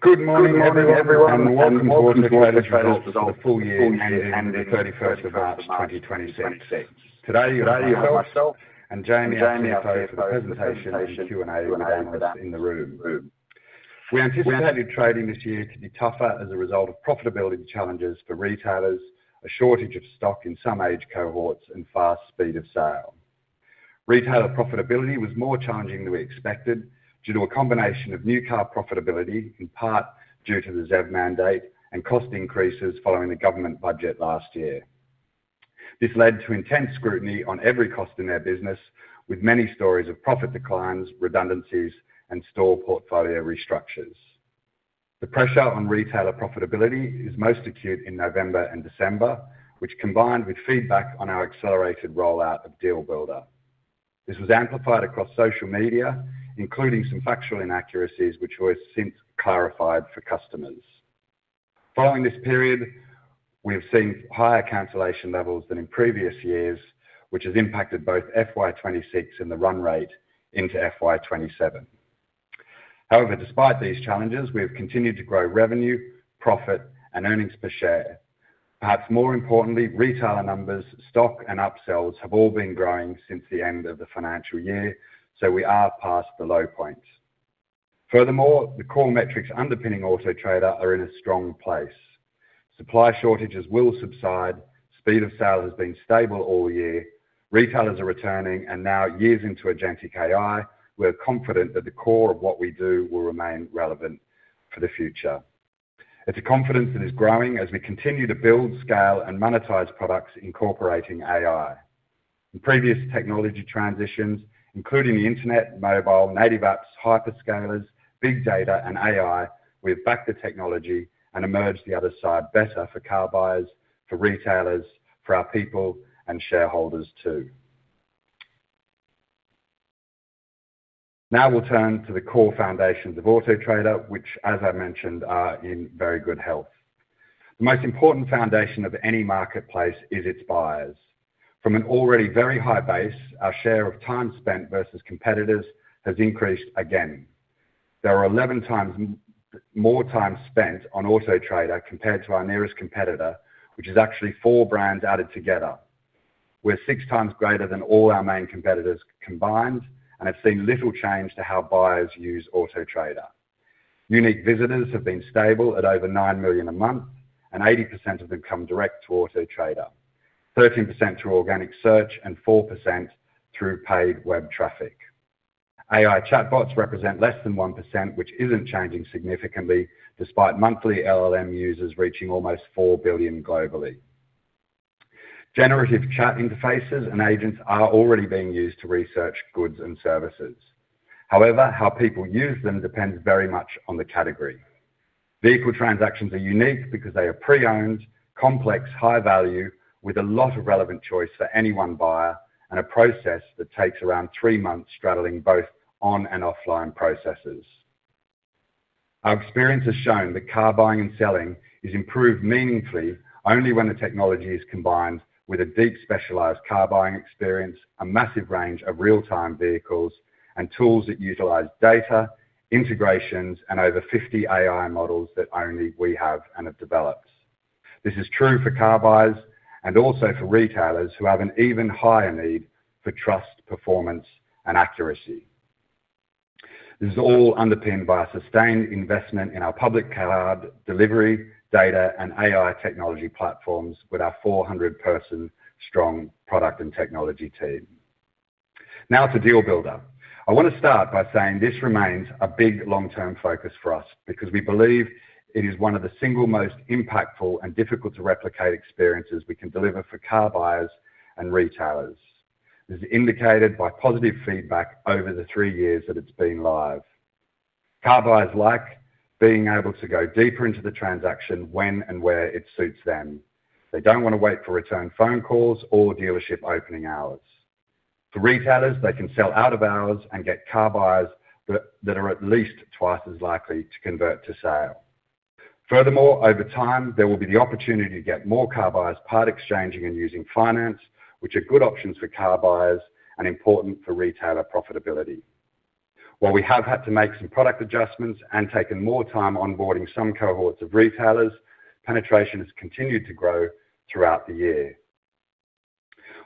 Good morning, everyone. Welcome to Auto Trader Group for the full year ending the 31st of March 2026. Today, you have myself and Jamie Warner here for the presentation and Q&A with analysts in the room. We anticipated trading this year to be tougher as a result of profitability challenges for retailers, a shortage of stock in some age cohorts, and fast speed of sale. Retailer profitability was more challenging than we expected due to a combination of new car profitability, in part due to the ZEV mandate and cost increases following the government budget last year. This led to intense scrutiny on every cost in their business, with many stories of profit declines, redundancies, and store portfolio restructures. The pressure on retailer profitability is most acute in November and December, which combined with feedback on our accelerated rollout of Deal Builder. This was amplified across social media, including some factual inaccuracies which we have since clarified for customers. Following this period, we have seen higher cancellation levels than in previous years, which has impacted both FY 2026 and the run rate into FY 2027. Despite these challenges, we have continued to grow revenue, profit and earnings per share. Perhaps more importantly, retailer numbers, stock, and upsells have all been growing since the end of the financial year. We are past the low point. The core metrics underpinning Auto Trader are in a strong place. Supply shortages will subside. Speed of sale has been stable all year. Retailers are returning. Now years into Agentic AI, we're confident that the core of what we do will remain relevant for the future. It's a confidence that is growing as we continue to build, scale, and monetize products incorporating AI. In previous technology transitions, including the internet, mobile, native apps, hyperscalers, big data, and AI, we have backed the technology and emerged the other side better for car buyers, for retailers, for our people, and shareholders too. Now we'll turn to the core foundations of Auto Trader, which as I mentioned, are in very good health. The most important foundation of any marketplace is its buyers. From an already very high base, our share of time spent versus competitors has increased again. There are 11x more time spent on Auto Trader compared to our nearest competitor, which is actually four brands added together. We're 6x greater than all our main competitors combined and have seen little change to how buyers use Auto Trader. Unique visitors have been stable at over 9 million a month, and 80% of them come direct to Auto Trader, 13% through organic search, and 4% through paid web traffic. AI chatbots represent less than 1%, which isn't changing significantly despite monthly LLM users reaching almost 4 billion globally. Generative chat interfaces and agents are already being used to research goods and services. How people use them depends very much on the category. Vehicle transactions are unique because they are pre-owned, complex, high value, with a lot of relevant choice for any one buyer, and a process that takes around three months straddling both on and offline processes. Our experience has shown that car buying and selling is improved meaningfully only when the technology is combined with a deep, specialized car buying experience, a massive range of real-time vehicles, and tools that utilize data, integrations, and over 50 AI models that only we have and have developed. This is true for car buyers and also for retailers who have an even higher need for trust, performance, and accuracy. This is all underpinned by a sustained investment in our public cloud delivery data and AI technology platforms with our 400-person strong product and technology team. Now to Deal Builder. I want to start by saying this remains a big long-term focus for us because we believe it is one of the single most impactful and difficult to replicate experiences we can deliver for car buyers and retailers. This is indicated by positive feedback over the three years that it's been live. Car buyers like being able to go deeper into the transaction when and where it suits them. They don't want to wait for return phone calls or dealership opening hours. For retailers, they can sell out of hours and get car buyers that are at least twice as likely to convert to sale. Furthermore, over time, there will be the opportunity to get more car buyers part exchanging and using finance, which are good options for car buyers and important for retailer profitability. While we have had to make some product adjustments and taken more time onboarding some cohorts of retailers, penetration has continued to grow throughout the year.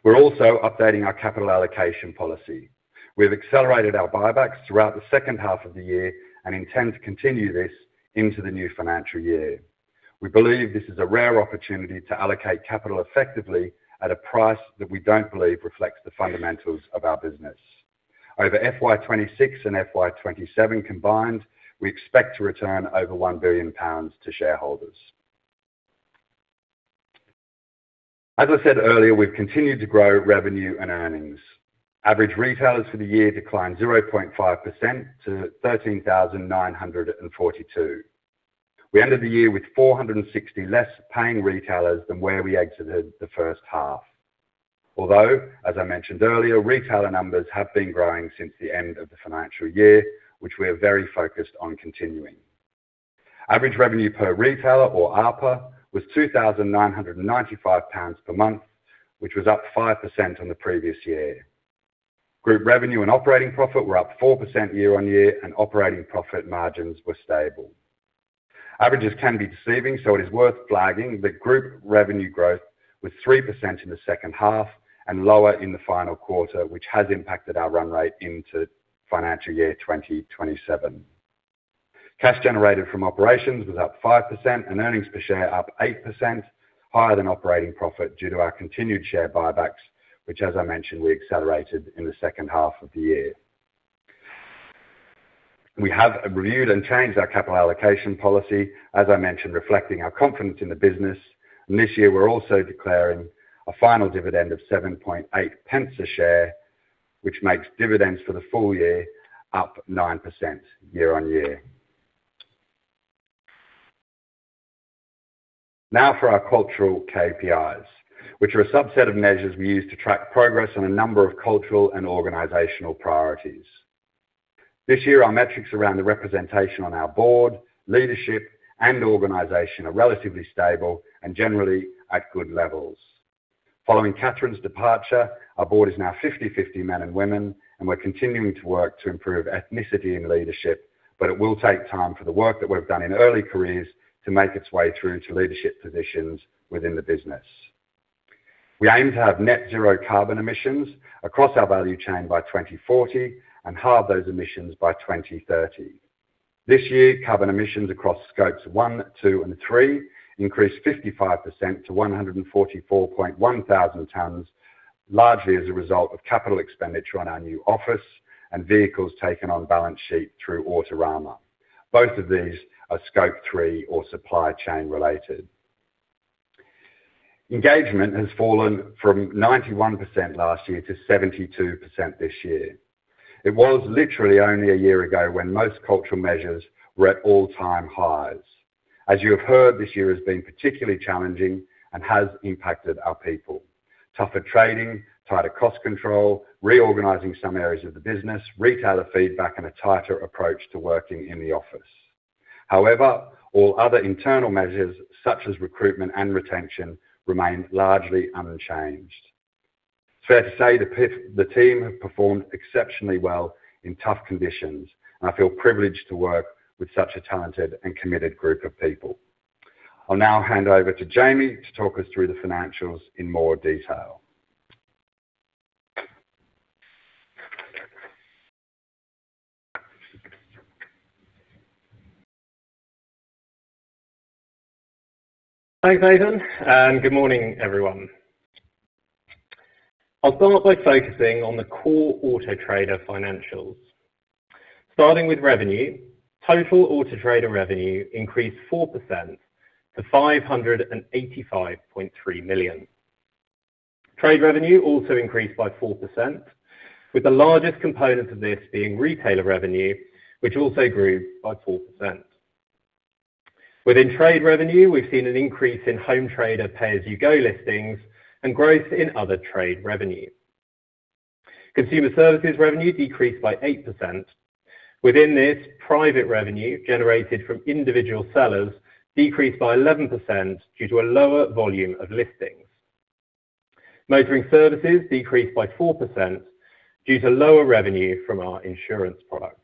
We're also updating our capital allocation policy. We've accelerated our buybacks throughout the second half of the year and intend to continue this into the new financial year. We believe this is a rare opportunity to allocate capital effectively at a price that we don't believe reflects the fundamentals of our business. Over FY 2026 and FY 2027 combined, we expect to return over 1 billion pounds to shareholders. As I said earlier, we've continued to grow revenue and earnings. Average retailers for the year declined 0.5% to 13,942. We ended the year with 460 less paying retailers than where we exited the first half. Although, as I mentioned earlier, retailer numbers have been growing since the end of the financial year, which we are very focused on continuing. Average revenue per retailer or ARPA was 2,995 pounds per month, which was up 5% on the previous year. Group revenue and operating profit were up 4% year-on-year, and operating profit margins were stable. Averages can be deceiving, so it is worth flagging the group revenue growth was 3% in the second half and lower in the final quarter, which has impacted our run rate into financial year 2027. Cash generated from operations was up 5% and earnings per share up 8% higher than operating profit due to our continued share buybacks, which as I mentioned, we accelerated in the second half of the year. We have reviewed and changed our capital allocation policy, as I mentioned, reflecting our confidence in the business. This year we're also declaring a final dividend of 0.078 a share, which makes dividends for the full year up 9% year-on-year. For our cultural KPIs, which are a subset of measures we use to track progress on a number of cultural and organizational priorities. This year, our metrics around the representation on our board, leadership, and organization are relatively stable and generally at good levels. Following Catherine's departure, our board is now 50/50 men and women, we're continuing to work to improve ethnicity in leadership. It will take time for the work that we've done in early careers to make its way through to leadership positions within the business. We aim to have net zero carbon emissions across our value chain by 2040 and halve those emissions by 2030. This year, carbon emissions across Scope 1, 2, and 3 increased 55% to 144.1 thousand tonnes, largely as a result of capital expenditure on our new office and vehicles taken on balance sheet through Autorama. Both of these are Scope 3 or supply chain related. Engagement has fallen from 91% last year to 72% this year. It was literally only a year ago when most cultural measures were at all-time highs. As you have heard, this year has been particularly challenging and has impacted our people. Tougher trading, tighter cost control, reorganizing some areas of the business, retailer feedback, and a tighter approach to working in the office. However, all other internal measures, such as recruitment and retention, remain largely unchanged. It's fair to say the team have performed exceptionally well in tough conditions, and I feel privileged to work with such a talented and committed group of people. I'll now hand over to Jamie to talk us through the financials in more detail. Thanks, Nathan, good morning, everyone. I'll start by focusing on the core Auto Trader financials. Starting with revenue. Total Auto Trader revenue increased 4% to 585.3 million. Trade revenue also increased by 4%, with the largest component of this being retailer revenue, which also grew by 4%. Within trade revenue, we've seen an increase in home trader pay-as-you-go listings and growth in other trade revenue. Consumer services revenue decreased by 8%. Within this, private revenue generated from individual sellers decreased by 11% due to a lower volume of listings. Motoring services decreased by 4% due to lower revenue from our insurance product.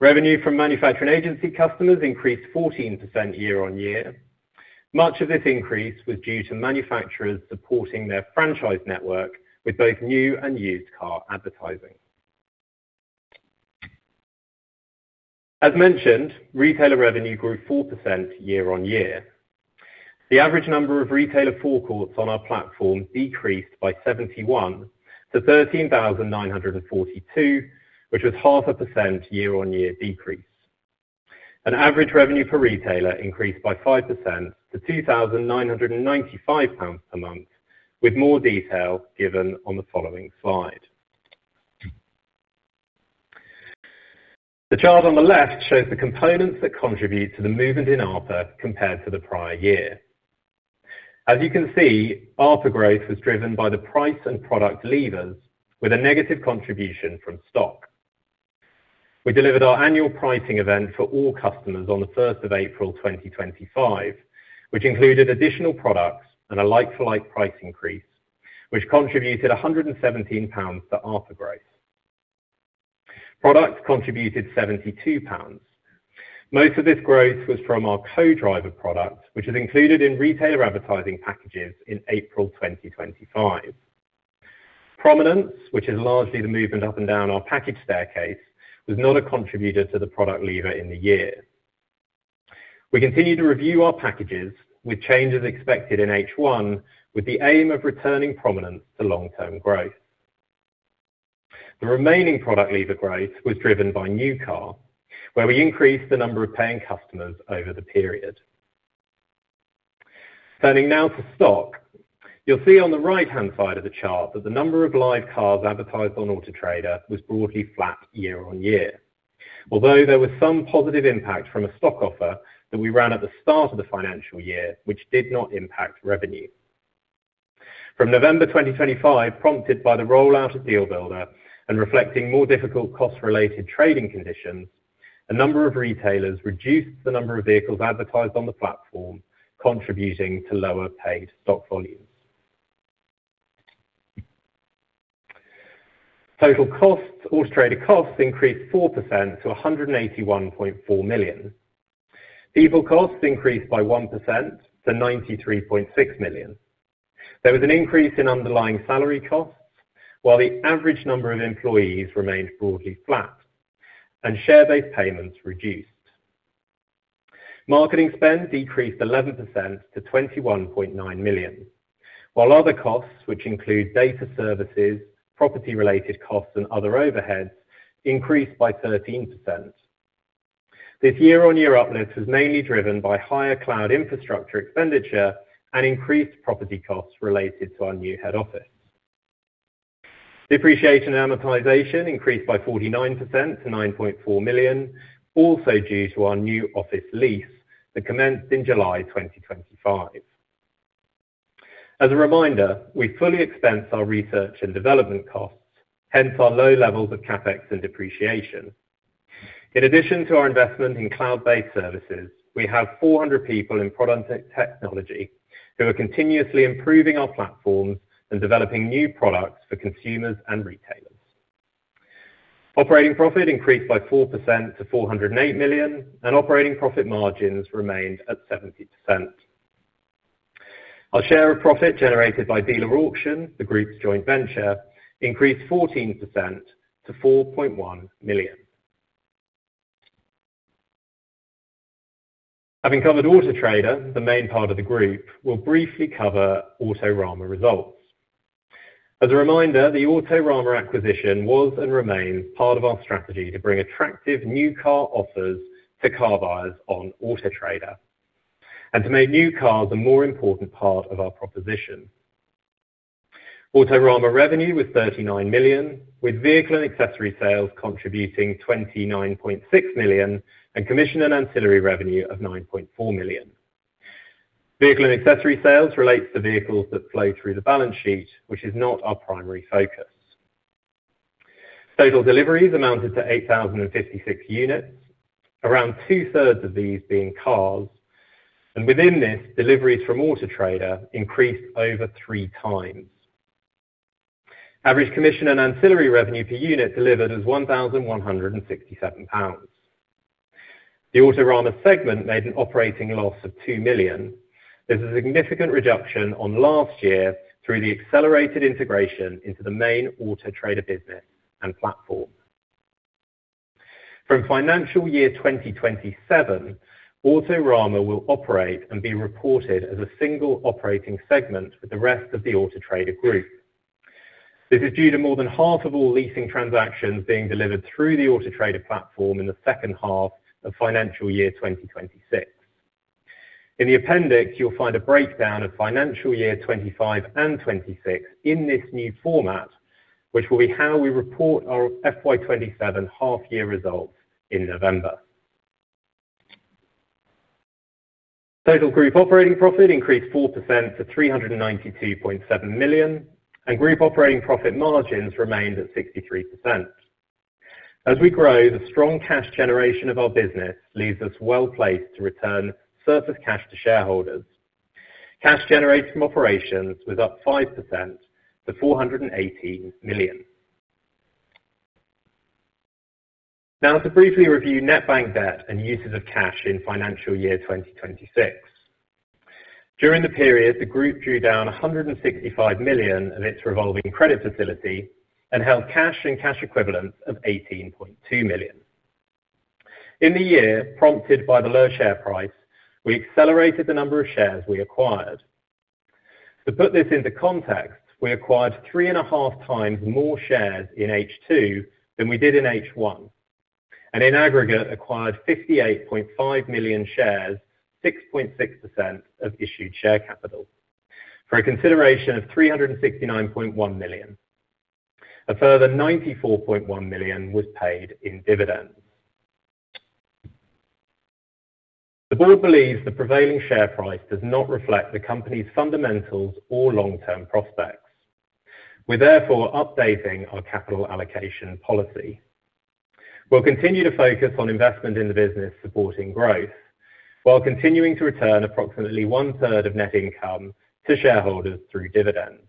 Revenue from manufacturing agency customers increased 14% year-on-year. Much of this increase was due to manufacturers supporting their franchise network with both new and used car advertising. As mentioned, retailer revenue grew 4% year-on-year. The average number of retailer forecourts on our platform decreased by 71 to 13,942, which was half a percent year-on-year decrease. Average revenue per retailer increased by 5% toGBP 2,995 per month, with more detail given on the following slide. The chart on the left shows the components that contribute to the movement in ARPA compared to the prior year. As you can see, ARPA growth was driven by the price and product levers with a negative contribution from stock. We delivered our annual pricing event for all customers on the 1st of April 2025, which included additional products and a like-for-like price increase, which contributed 117 pounds to ARPA growth. Products contributed 72 pounds. Most of this growth was from our Co-Driver product, which is included in retailer advertising packages in April 2025. Prominence, which is largely the movement up and down our package staircase, was not a contributor to the product lever in the year. We continue to review our packages with changes expected in H1, with the aim of returning Prominence to long-term growth. The remaining product lever growth was driven by new car, where we increased the number of paying customers over the period. Turning now to stock. You'll see on the right-hand side of the chart that the number of live cars advertised on Auto Trader was broadly flat year-on-year. Although there was some positive impact from a stock offer that we ran at the start of the financial year, which did not impact revenue. From November 2025, prompted by the rollout of Deal Builder and reflecting more difficult cost-related trading conditions. A number of retailers reduced the number of vehicles advertised on the platform, contributing to lower paid stock volumes. Total costs, Auto Trader costs increased 4% to 181.4 million. People costs increased by 1% to 93.6 million. There was an increase in underlying salary costs, while the average number of employees remained broadly flat and share-based payments reduced. Marketing spend decreased 11% to 21.9 million, while other costs, which include data services, property-related costs and other overheads, increased by 13%. This year-on-year uplift was mainly driven by higher cloud infrastructure expenditure and increased property costs related to our new head office. Depreciation and amortization increased by 49% to 9.4 million, also due to our new office lease that commenced in July 2025. As a reminder, we fully expense our research and development costs, hence our low levels of CapEx and depreciation. In addition to our investment in cloud-based services, we have 400 people in product technology who are continuously improving our platforms and developing new products for consumers and retailers. Operating profit increased by 4% to 408 million, and operating profit margins remained at 70%. Our share of profit generated by Dealer Auction, the group's joint venture, increased 14% to 4.1 million. Having covered Auto Trader, the main part of the group, we will briefly cover Autorama results. As a reminder, the Autorama acquisition was and remains part of our strategy to bring attractive new car offers to car buyers on Auto Trader, and to make new cars a more important part of our proposition. Autorama revenue was 39 million, with vehicle and accessory sales contributing 29.6 million and commission and ancillary revenue of 9.4 million. Vehicle and accessory sales relates to vehicles that flow through the balance sheet, which is not our primary focus. Total deliveries amounted to 8,056 units, around two-thirds of these being cars, and within this, deliveries from Auto Trader increased over three times. Average commission and ancillary revenue per unit delivered is 1,167 pounds. The Autorama segment made an operating loss of 2 million. This is a significant reduction on last year through the accelerated integration into the main Auto Trader business and platform. From financial year 2027, Autorama will operate and be reported as a single operating segment with the rest of the Auto Trader group. This is due to more than half of all leasing transactions being delivered through the Auto Trader platform in the second half of financial year 2026. In the appendix, you'll find a breakdown of financial year 2025 and 2026 in this new format, which will be how we report our FY 2027 half-year results in November. Total group operating profit increased 4% to 392.7 million, and group operating profit margins remained at 63%. As we grow, the strong cash generation of our business leaves us well-placed to return surplus cash to shareholders. Cash generated from operations was up 5% to 418 million. Now to briefly review net bank debt and uses of cash in financial year 2026. During the period, the group drew down 165 million of its revolving credit facility and held cash and cash equivalents of 18.2 million. In the year, prompted by the low share price, we accelerated the number of shares we acquired. To put this into context, we acquired three and a half times more shares in H2 than we did in H1, and in aggregate acquired 58.5 million shares, 6.6% of issued share capital, for a consideration of 369.1 million. A further 94.1 million was paid in dividends. The board believes the prevailing share price does not reflect the company's fundamentals or long-term prospects. We are therefore updating our capital allocation policy. We will continue to focus on investment in the business supporting growth while continuing to return approximately one-third of net income to shareholders through dividends.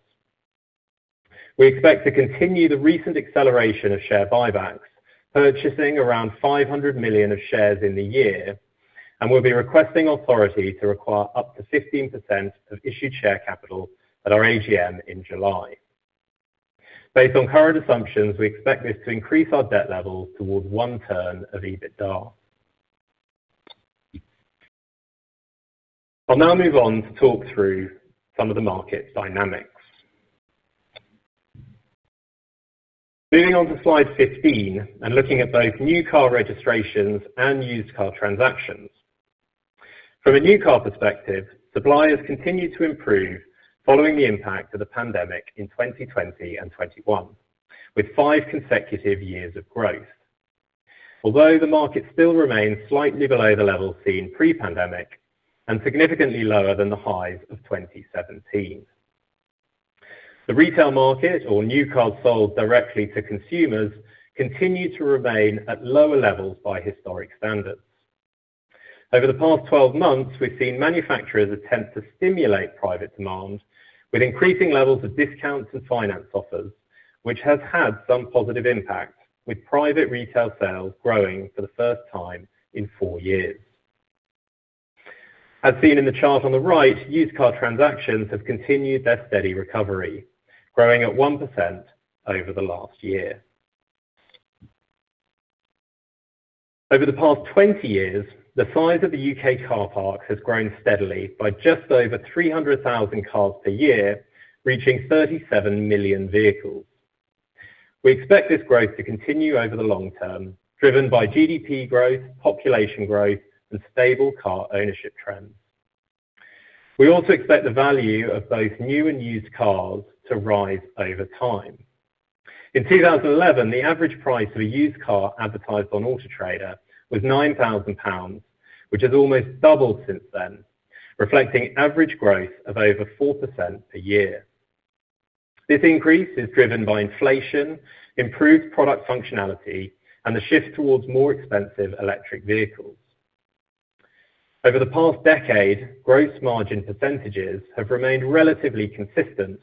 We expect to continue the recent acceleration of share buybacks, purchasing around 500 million of shares in the year, and we will be requesting authority to acquire up to 15% of issued share capital at our AGM in July. Based on current assumptions, we expect this to increase our debt levels towards one turn of EBITDA. I'll now move on to talk through some of the market dynamics. Moving on to slide 15 and looking at both new car registrations and used car transactions. From a new car perspective, suppliers continued to improve following the impact of the pandemic in 2020 and 2021, with five consecutive years of growth. Although the market still remains slightly below the level seen pre-pandemic and significantly lower than the highs of 2017. The retail market or new cars sold directly to consumers continue to remain at lower levels by historic standards. Over the past 12 months, we've seen manufacturers attempt to stimulate private demand with increasing levels of discounts and finance offers, which has had some positive impact, with private retail sales growing for the first time in four years. As seen in the chart on the right, used car transactions have continued their steady recovery, growing at 1% over the last year. Over the past 20 years, the size of the U.K. car park has grown steadily by just over 300,000 cars per year, reaching 37 million vehicles. We expect this growth to continue over the long term, driven by GDP growth, population growth and stable car ownership trends. We also expect the value of both new and used cars to rise over time. In 2011, the average price of a used car advertised on Auto Trader was 9,000 pounds, which has almost doubled since then, reflecting average growth of over 4% a year. This increase is driven by inflation, improved product functionality, and the shift towards more expensive electric vehicles. Over the past decade, gross margin percentages have remained relatively consistent,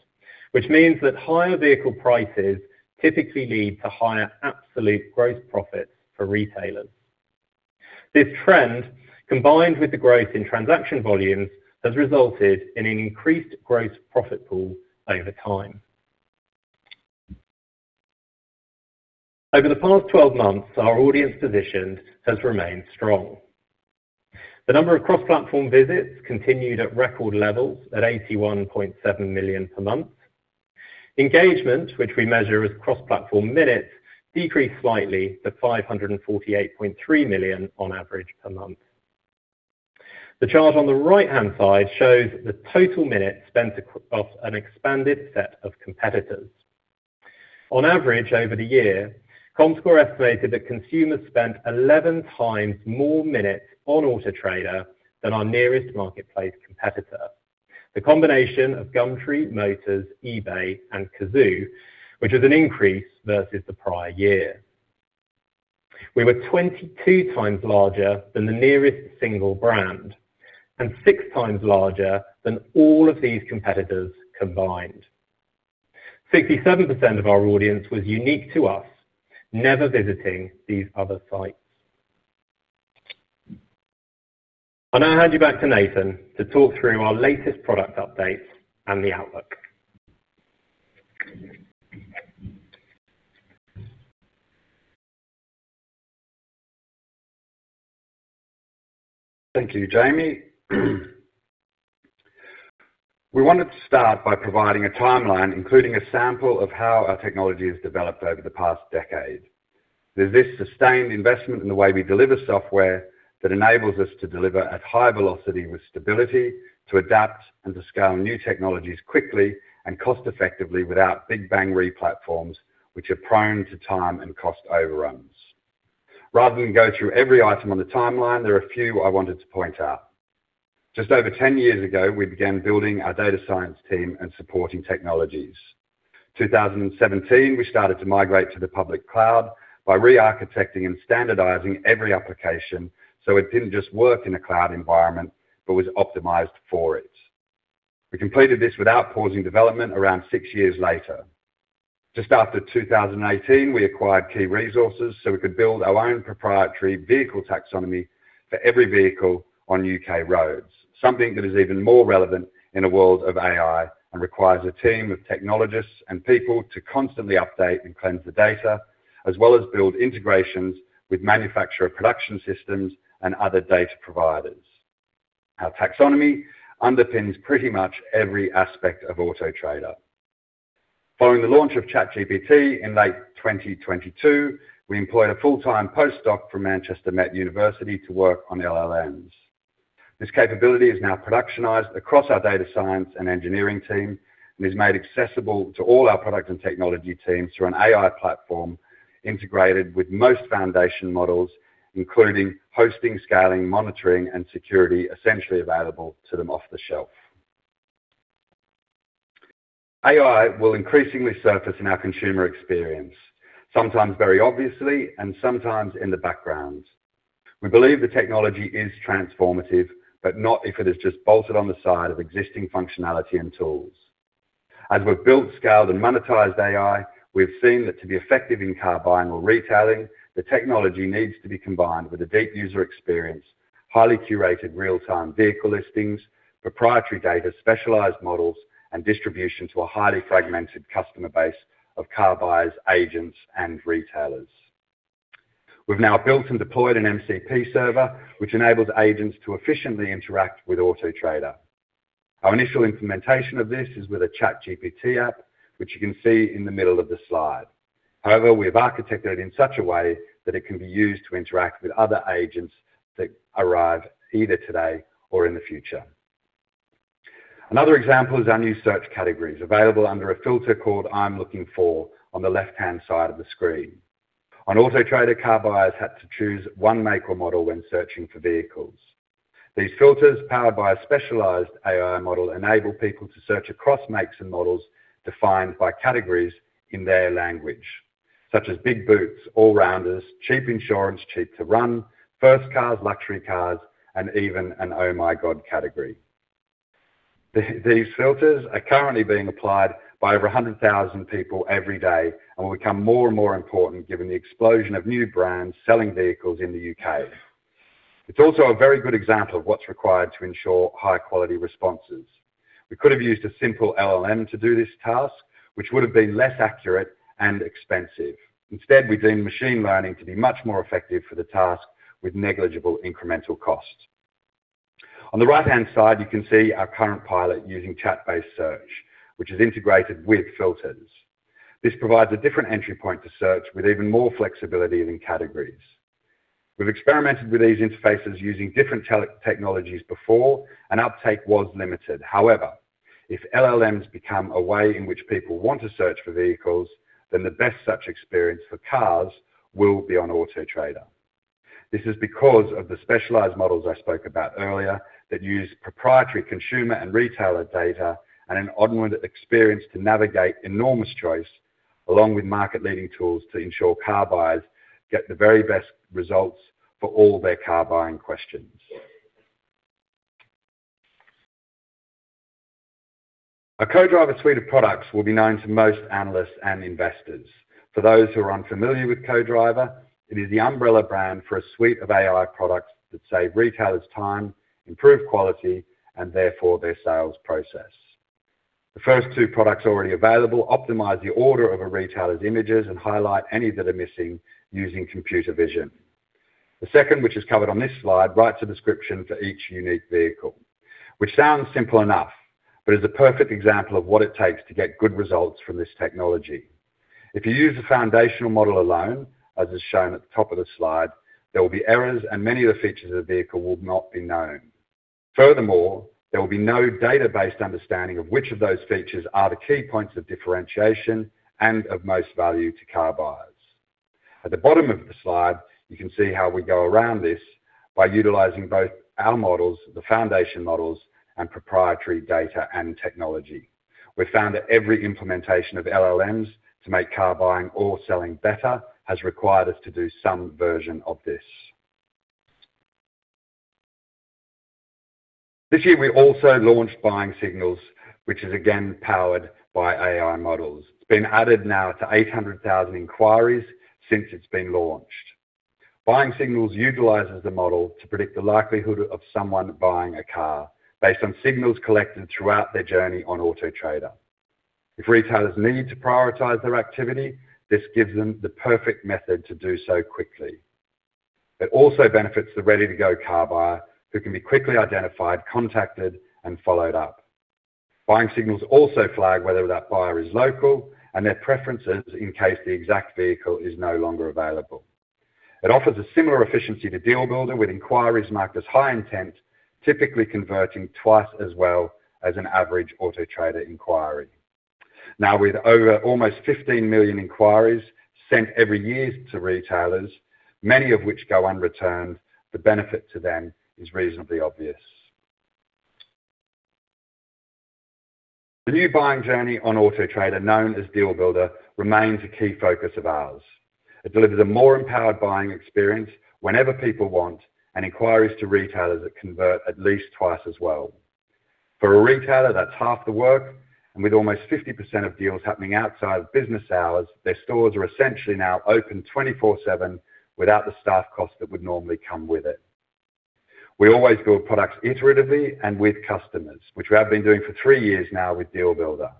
which means that higher vehicle prices typically lead to higher absolute gross profits for retailers. This trend, combined with the growth in transaction volumes, has resulted in an increased gross profit pool over time. Over the past 12 months, our audience position has remained strong. The number of cross-platform visits continued at record levels at 81.7 million per month. Engagement, which we measure as cross-platform minutes, decreased slightly to 548.3 million on average per month. The chart on the right-hand side shows the total minutes spent across an expanded set of competitors. On average, over the year, Comscore estimated that consumers spent 11 times more minutes on Auto Trader than our nearest marketplace competitor. The combination of Gumtree, Motors, eBay, and Cazoo, which is an increase versus the prior year. We were 22 times larger than the nearest single brand and 6x larger than all of these competitors combined. 67% of our audience was unique to us, never visiting these other sites. I'll now hand you back to Nathan to talk through our latest product updates and the outlook. Thank you, Jamie. We wanted to start by providing a timeline, including a sample of how our technology has developed over the past decade. There's this sustained investment in the way we deliver software that enables us to deliver at high velocity with stability, to adapt and to scale new technologies quickly and cost-effectively without big bang replatforms, which are prone to time and cost overruns. Rather than go through every item on the timeline, there are a few I wanted to point out. Just over 10 years ago, we began building our data science team and supporting technologies. 2017, we started to migrate to the public cloud by re-architecting and standardizing every application, so it didn't just work in a cloud environment but was optimized for it. We completed this without pausing development around six years later. Just after 2018, we acquired key resources so we could build our own proprietary vehicle taxonomy for every vehicle on U.K. roads. Something that is even more relevant in a world of AI and requires a team of technologists and people to constantly update and cleanse the data, as well as build integrations with manufacturer production systems and other data providers. Our taxonomy underpins pretty much every aspect of Auto Trader. Following the launch of ChatGPT in late 2022, we employed a full-time postdoc from Manchester Metropolitan University to work on the LLMs. This capability is now productionized across our data science and engineering team and is made accessible to all our product and technology teams through an AI platform integrated with most foundation models, including hosting, scaling, monitoring, and security essentially available to them off the shelf. AI will increasingly surface in our consumer experience, sometimes very obviously and sometimes in the background. We believe the technology is transformative, but not if it is just bolted on the side of existing functionality and tools. As we've built, scaled, and monetized AI, we've seen that to be effective in car buying or retailing, the technology needs to be combined with a deep user experience, highly curated real-time vehicle listings, proprietary data, specialized models, and distribution to a highly fragmented customer base of car buyers, agents, and retailers. We've now built and deployed an MCP server, which enables agents to efficiently interact with Auto Trader. Our initial implementation of this is with a ChatGPT app, which you can see in the middle of the slide. We've architected it in such a way that it can be used to interact with other agents that arrive either today or in the future. Another example is our new search categories, available under a filter called I'm looking for on the left-hand side of the screen. On Auto Trader, car buyers had to choose 1 make or model when searching for vehicles. These filters, powered by a specialized AI model, enable people to search across makes and models defined by categories in their language, such as big boots, all-rounders, cheap insurance, cheap to run, first cars, luxury cars, and even an oh my God category. These filters are currently being applied by over 100,000 people every day and will become more and more important given the explosion of new brands selling vehicles in the U.K. It's also a very good example of what's required to ensure high-quality responses. We could have used a simple LLM to do this task, which would have been less accurate and expensive. We deemed machine learning to be much more effective for the task with negligible incremental cost. On the right-hand side, you can see our current pilot using chat-based search, which is integrated with filters. This provides a different entry point to search with even more flexibility than categories. We've experimented with these interfaces using different technologies before and uptake was limited. If LLMs become a way in which people want to search for vehicles, then the best such experience for cars will be on Auto Trader. This is because of the specialized models I spoke about earlier that use proprietary consumer and retailer data and an onward experience to navigate enormous choice along with market-leading tools to ensure car buyers get the very best results for all their car-buying questions. Our Co-Driver suite of products will be known to most analysts and investors. For those who are unfamiliar with Co-Driver, it is the umbrella brand for a suite of AI products that save retailers time, improve quality, and therefore their sales process. The first two products already available optimize the order of a retailer's images and highlight any that are missing using computer vision. The second, which is covered on this slide, writes a description for each unique vehicle. Which sounds simple enough, but is the perfect example of what it takes to get good results from this technology. If you use the foundational model alone, as is shown at the top of the slide, there will be errors and many of the features of the vehicle will not be known. Furthermore, there will be no data-based understanding of which of those features are the key points of differentiation and of most value to car buyers. At the bottom of the slide, you can see how we go around this by utilizing both our models, the foundation models, and proprietary data and technology. We've found that every implementation of LLMs to make car buying or selling better has required us to do some version of this. This year, we also launched Buying Signals, which is again powered by AI models. It's been added now to 800,000 inquiries since it's been launched. Buying Signals utilizes the model to predict the likelihood of someone buying a car based on signals collected throughout their journey on Auto Trader. If retailers need to prioritize their activity, this gives them the perfect method to do so quickly. It also benefits the ready-to-go car buyer who can be quickly identified, contacted, and followed up. Buying Signals also flag whether that buyer is local and their preferences in case the exact vehicle is no longer available. It offers a similar efficiency to Deal Builder with inquiries marked as high intent, typically converting twice as well as an average Auto Trader inquiry. With over almost 15 million inquiries sent every year to retailers, many of which go unreturned, the benefit to them is reasonably obvious. The new buying journey on Auto Trader, known as Deal Builder, remains a key focus of ours. It delivers a more empowered buying experience whenever people want, and inquiries to retailers that convert at least twice as well. For a retailer, that's half the work, and with almost 50% of deals happening outside of business hours, their stores are essentially now open 24/7 without the staff cost that would normally come with it. We always build products iteratively and with customers, which we have been doing for three years now with Deal Builder.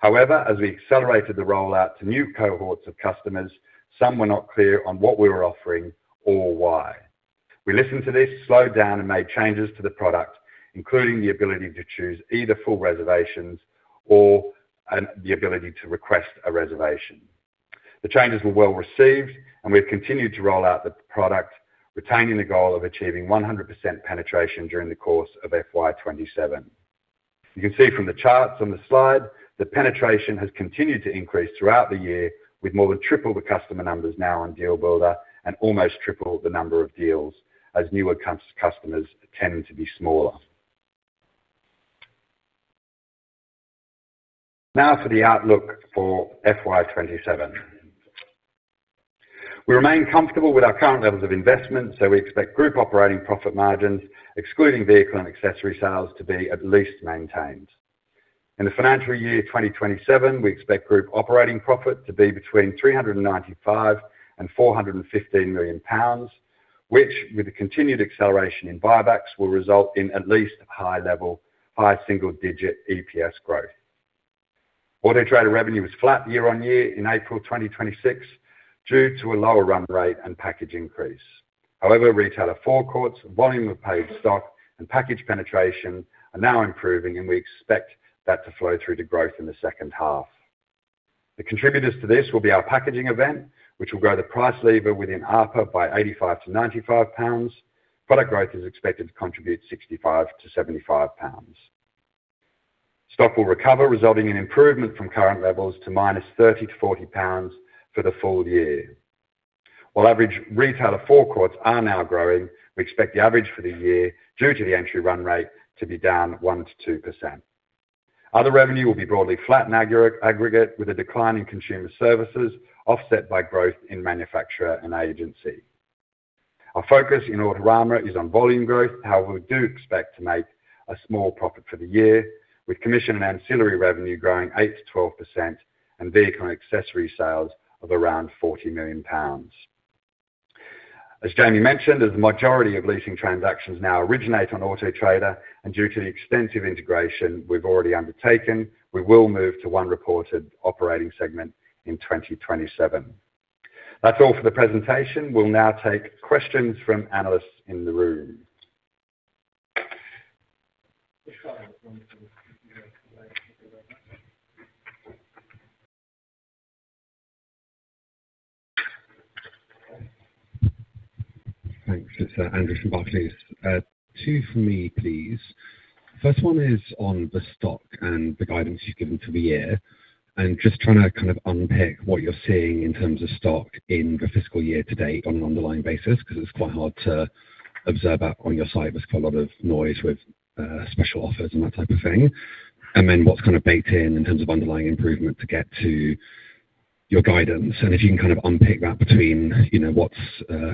However, as we accelerated the rollout to new cohorts of customers, some were not clear on what we were offering or why. We listened to this, slowed down, and made changes to the product, including the ability to choose either full reservations or the ability to request a reservation. The changes were well-received, and we've continued to roll out the product, retaining the goal of achieving 100% penetration during the course of FY 2027. You can see from the charts on the slide that penetration has continued to increase throughout the year with more than triple the customer numbers now on Deal Builder and almost triple the number of deals as newer customers tend to be smaller. For the outlook for FY 2027. We remain comfortable with our current levels of investment. We expect group operating profit margins, excluding vehicle and accessory sales, to be at least maintained. In the financial year 2027, we expect group operating profit to be between 395 million and 415 million pounds, which, with the continued acceleration in buybacks, will result in at least high single-digit EPS growth. Auto Trader revenue was flat year-on-year in April 2026 due to a lower run rate and package increase. Retailer forecourts, volume of paid stock, and package penetration are now improving, and we expect that to flow through to growth in the second half. The contributors to this will be our packaging event, which will grow the price lever within ARPA by 85-95 pounds. Product growth is expected to contribute 65-75 pounds. Stock will recover, resulting in improvement from current levels to -30% to -40% for the full year. While average retailer forecourts are now growing, we expect the average for the year, due to the entry run rate, to be down 1%-2%. Other revenue will be broadly flat in aggregate, with a decline in consumer services offset by growth in manufacturer and agency. Our focus in Autorama is on volume growth. However, we do expect to make a small profit for the year, with commission and ancillary revenue growing 8%-12% and vehicle and accessory sales of around 40 million pounds. As Jamie mentioned, as the majority of leasing transactions now originate on Auto Trader, and due to the extensive integration we've already undertaken, we will move to one reported operating segment in 2027. That's all for the presentation. We'll now take questions from analysts in the room. Thanks. It's Andrew from Barclays. Two from me, please. First one is on the stock and the guidance you've given to the year, and just trying to kind of unpick what you're seeing in terms of stock in the fiscal year to date on an underlying basis, because it's quite hard to observe that on your site. There's quite a lot of noise with special offers and that type of thing. Then what's kind of baked in in terms of underlying improvement to get to your guidance and if you can kind of unpick that between what's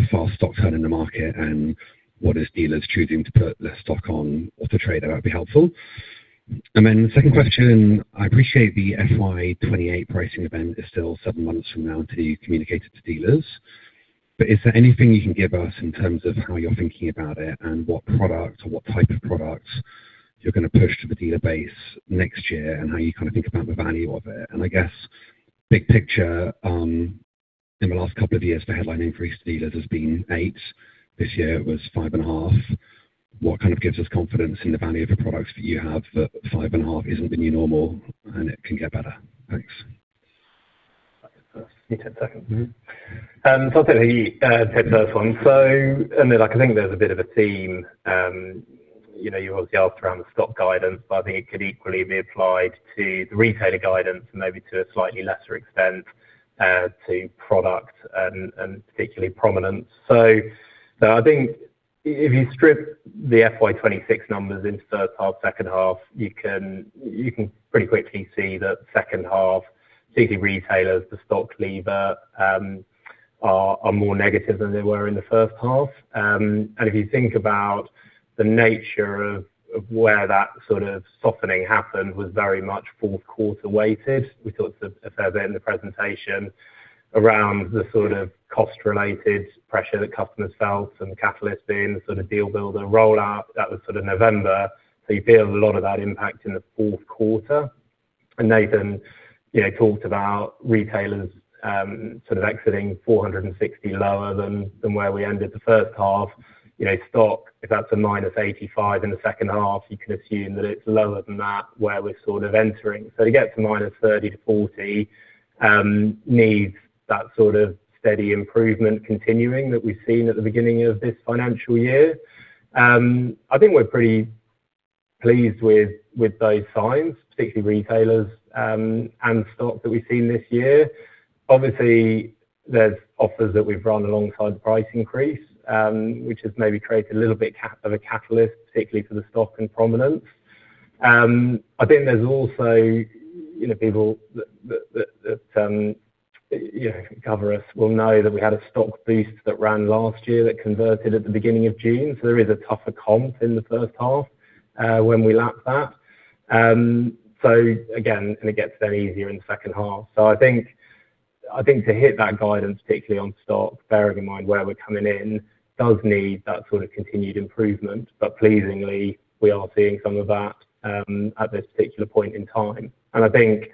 fast stock turn in the market and what is dealers choosing to put their stock on Auto Trader, that would be helpful. Second question, I appreciate the FY 2028 pricing event is still 7 months from now to communicate it to dealers, is there anything you can give us in terms of how you're thinking about it and what product or what type of products you're going to push to the dealer base next year and how you kind of think about the value of it? I guess big picture, in the last couple of years, the headline increase to dealers has been 8%. This year it was 5.5%. What kind of gives us confidence in the value of the products that you have that 5.5% isn't the new normal and it can get better? Thanks. I'll take the first. You take that one. I'll take the first one. I think there's a bit of a theme. You obviously asked around the stock guidance, but I think it could equally be applied to the retailer guidance and maybe to a slightly lesser extent to product and particularly Prominence. I think if you strip the FY 2026 numbers into first half, second half, you can pretty quickly see that second half, particularly retailers, the stock lever are more negative than they were in the first half. If you think about the nature of where that sort of softening happened was very much fourth quarter weighted. We talked a fair bit in the presentation around the sort of cost-related pressure that customers felt and the catalyst being the sort of Deal Builder rollout. That was sort of November. You feel a lot of that impact in the fourth quarter. Nathan talked about retailers exiting 460 lower than where we ended the first half. Stock, if that's a -85 in the second half, you can assume that it's lower than that where we're sort of entering. To get to -30 to -40 needs that sort of steady improvement continuing that we've seen at the beginning of this financial year. I think we're pretty pleased with those signs, particularly retailers and stock that we've seen this year. Obviously, there's offers that we've run alongside the price increase, which has maybe created a little bit of a catalyst, particularly for the stock and Prominence. I think there's also people that cover us will know that we had a stock boost that ran last year that converted at the beginning of June. There is a tougher comp in the first half when we lap that. Again, and it gets then easier in the second half. I think to hit that guidance, particularly on stock, bearing in mind where we're coming in, does need that sort of continued improvement. Pleasingly, we are seeing some of that at this particular point in time. I think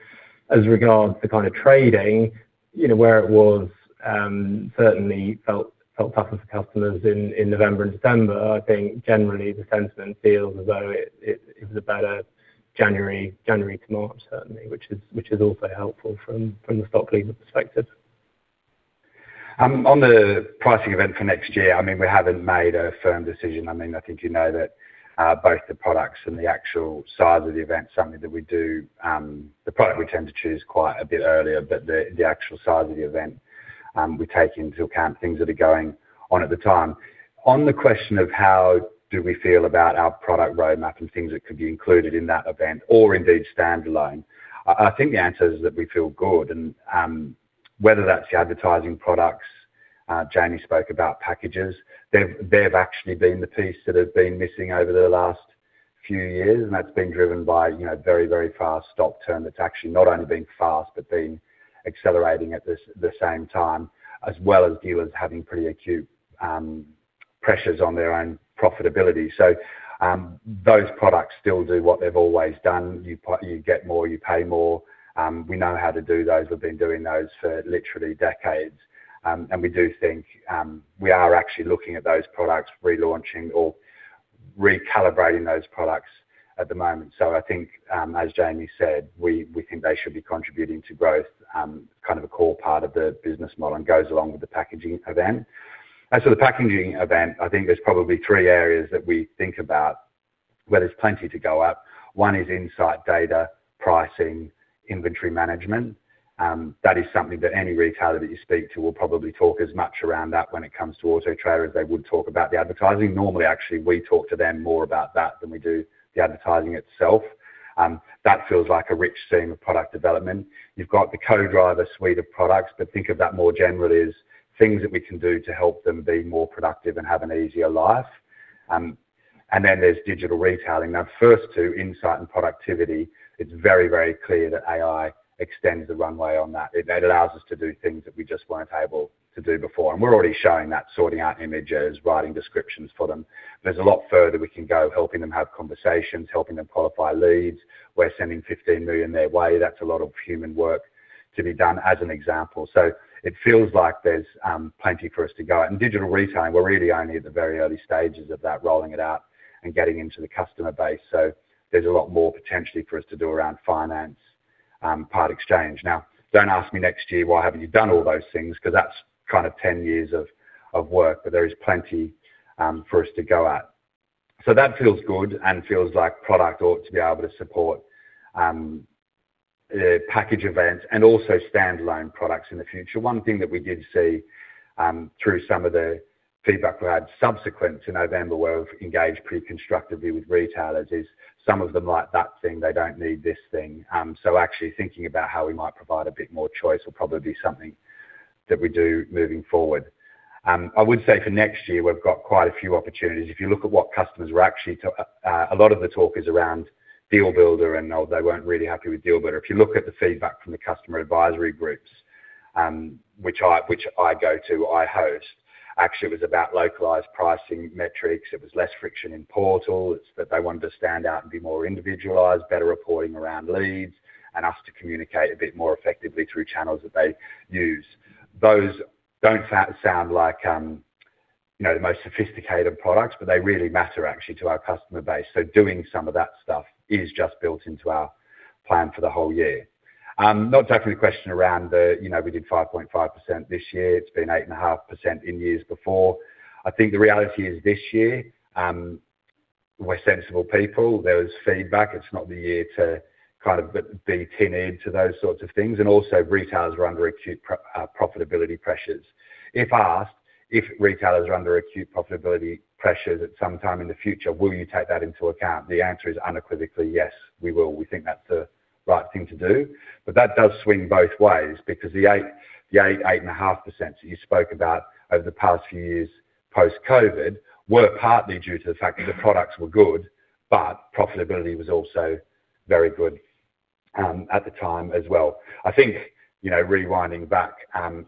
as regards to kind of trading, where it was certainly felt tougher for customers in November and December, I think generally the sentiment feels as though it was a better January to March certainly, which is also helpful from the stock keeping perspective. On the pricing event for next year, I mean, we haven't made a firm decision. I think you know that both the products and the actual size of the event is something that we do. The product we tend to choose quite a bit earlier, but the actual size of the event we take into account things that are going on at the time. On the question of how do we feel about our product roadmap and things that could be included in that event or indeed standalone, I think the answer is that we feel good. Whether that's the advertising products, Jamie spoke about packages. They've actually been the piece that has been missing over the last few years. That's been driven by very fast stock turn that's actually not only been fast but been accelerating at the same time, as well as dealers having pretty acute pressures on their own profitability. Those products still do what they've always done. You get more, you pay more. We know how to do those. We've been doing those for literally decades. We do think we are actually looking at those products relaunching or recalibrating those products at the moment. I think as Jamie said, we think they should be contributing to growth, kind of a core part of the business model, and goes along with the packaging event. As for the packaging event, I think there's probably three areas that we think about where there's plenty to go up. One is insight data pricing, inventory management. That is something that any retailer that you speak to will probably talk as much around that when it comes to Auto Trader as they would talk about the advertising. Normally, actually, we talk to them more about that than we do the advertising itself. That feels like a rich seam of product development. You've got the Co-Driver suite of products, think of that more generally as things that we can do to help them be more productive and have an easier life. There's digital retailing. The first two, insight and productivity, it's very clear that AI extends the runway on that. It allows us to do things that we just weren't able to do before, we're already showing that, sorting out images, writing descriptions for them. There's a lot further we can go helping them have conversations, helping them qualify leads. We're sending 15 million their way. That's a lot of human work to be done as an example. It feels like there's plenty for us to go at. In digital retailing, we're really only at the very early stages of that, rolling it out and getting into the customer base. There's a lot more potentially for us to do around finance, part exchange. Now, don't ask me next year, why haven't you done all those things? That's kind of 10 years of work, but there is plenty for us to go at. That feels good and feels like product ought to be able to support package events and also standalone products in the future. One thing that we did see through some of the feedback we had subsequent to November, where we've engaged pretty constructively with retailers, is some of them like that thing, they don't need this thing. Actually thinking about how we might provide a bit more choice will probably be something that we do moving forward. I would say for next year, we've got quite a few opportunities. A lot of the talk is around Deal Builder and how they weren't really happy with Deal Builder. If you look at the feedback from the customer advisory groups, which I go to, I host, actually, it was about localized pricing metrics. It was less friction in portals, that they wanted to stand out and be more individualized, better reporting around leads, and us to communicate a bit more effectively through channels that they use. Those don't sound like the most sophisticated products, but they really matter actually to our customer base. Doing some of that stuff is just built into our plan for the whole year. We did 5.5% this year. It's been 8.5% in years before. I think the reality is this year, we're sensible people. There is feedback. It's not the year to be tin ear to those sorts of things. Also retailers are under acute profitability pressures. If asked if retailers are under acute profitability pressures at some time in the future, will you take that into account? The answer is unequivocally yes, we will. We think that's the right thing to do. That does swing both ways because the 8.5% that you spoke about over the past few years post-COVID were partly due to the fact that the products were good, but profitability was also very good at the time as well. I think rewinding back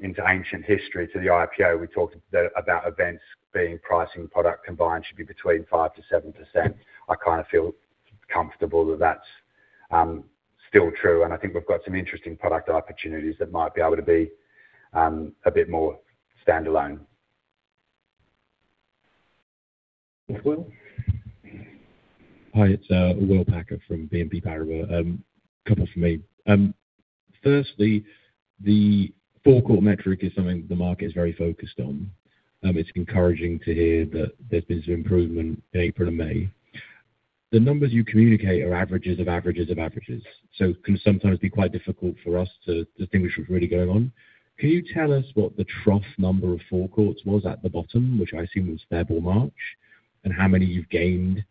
into ancient history to the IPO, we talked about events being pricing product combined should be between 5%-7%. I feel comfortable that's still true, and I think we've got some interesting product opportunities that might be able to be a bit more standalone. Will? Hi, it's Will Packer from BNP Paribas. A couple from me. Firstly, the forecourt metric is something the market is very focused on. It's encouraging to hear that there's been some improvement in April and May. The numbers you communicate are averages of averages. Can sometimes be quite difficult for us to distinguish what's really going on. Can you tell us what the trough number of forecourts was at the bottom, which I assume was February or March, and how many you've gained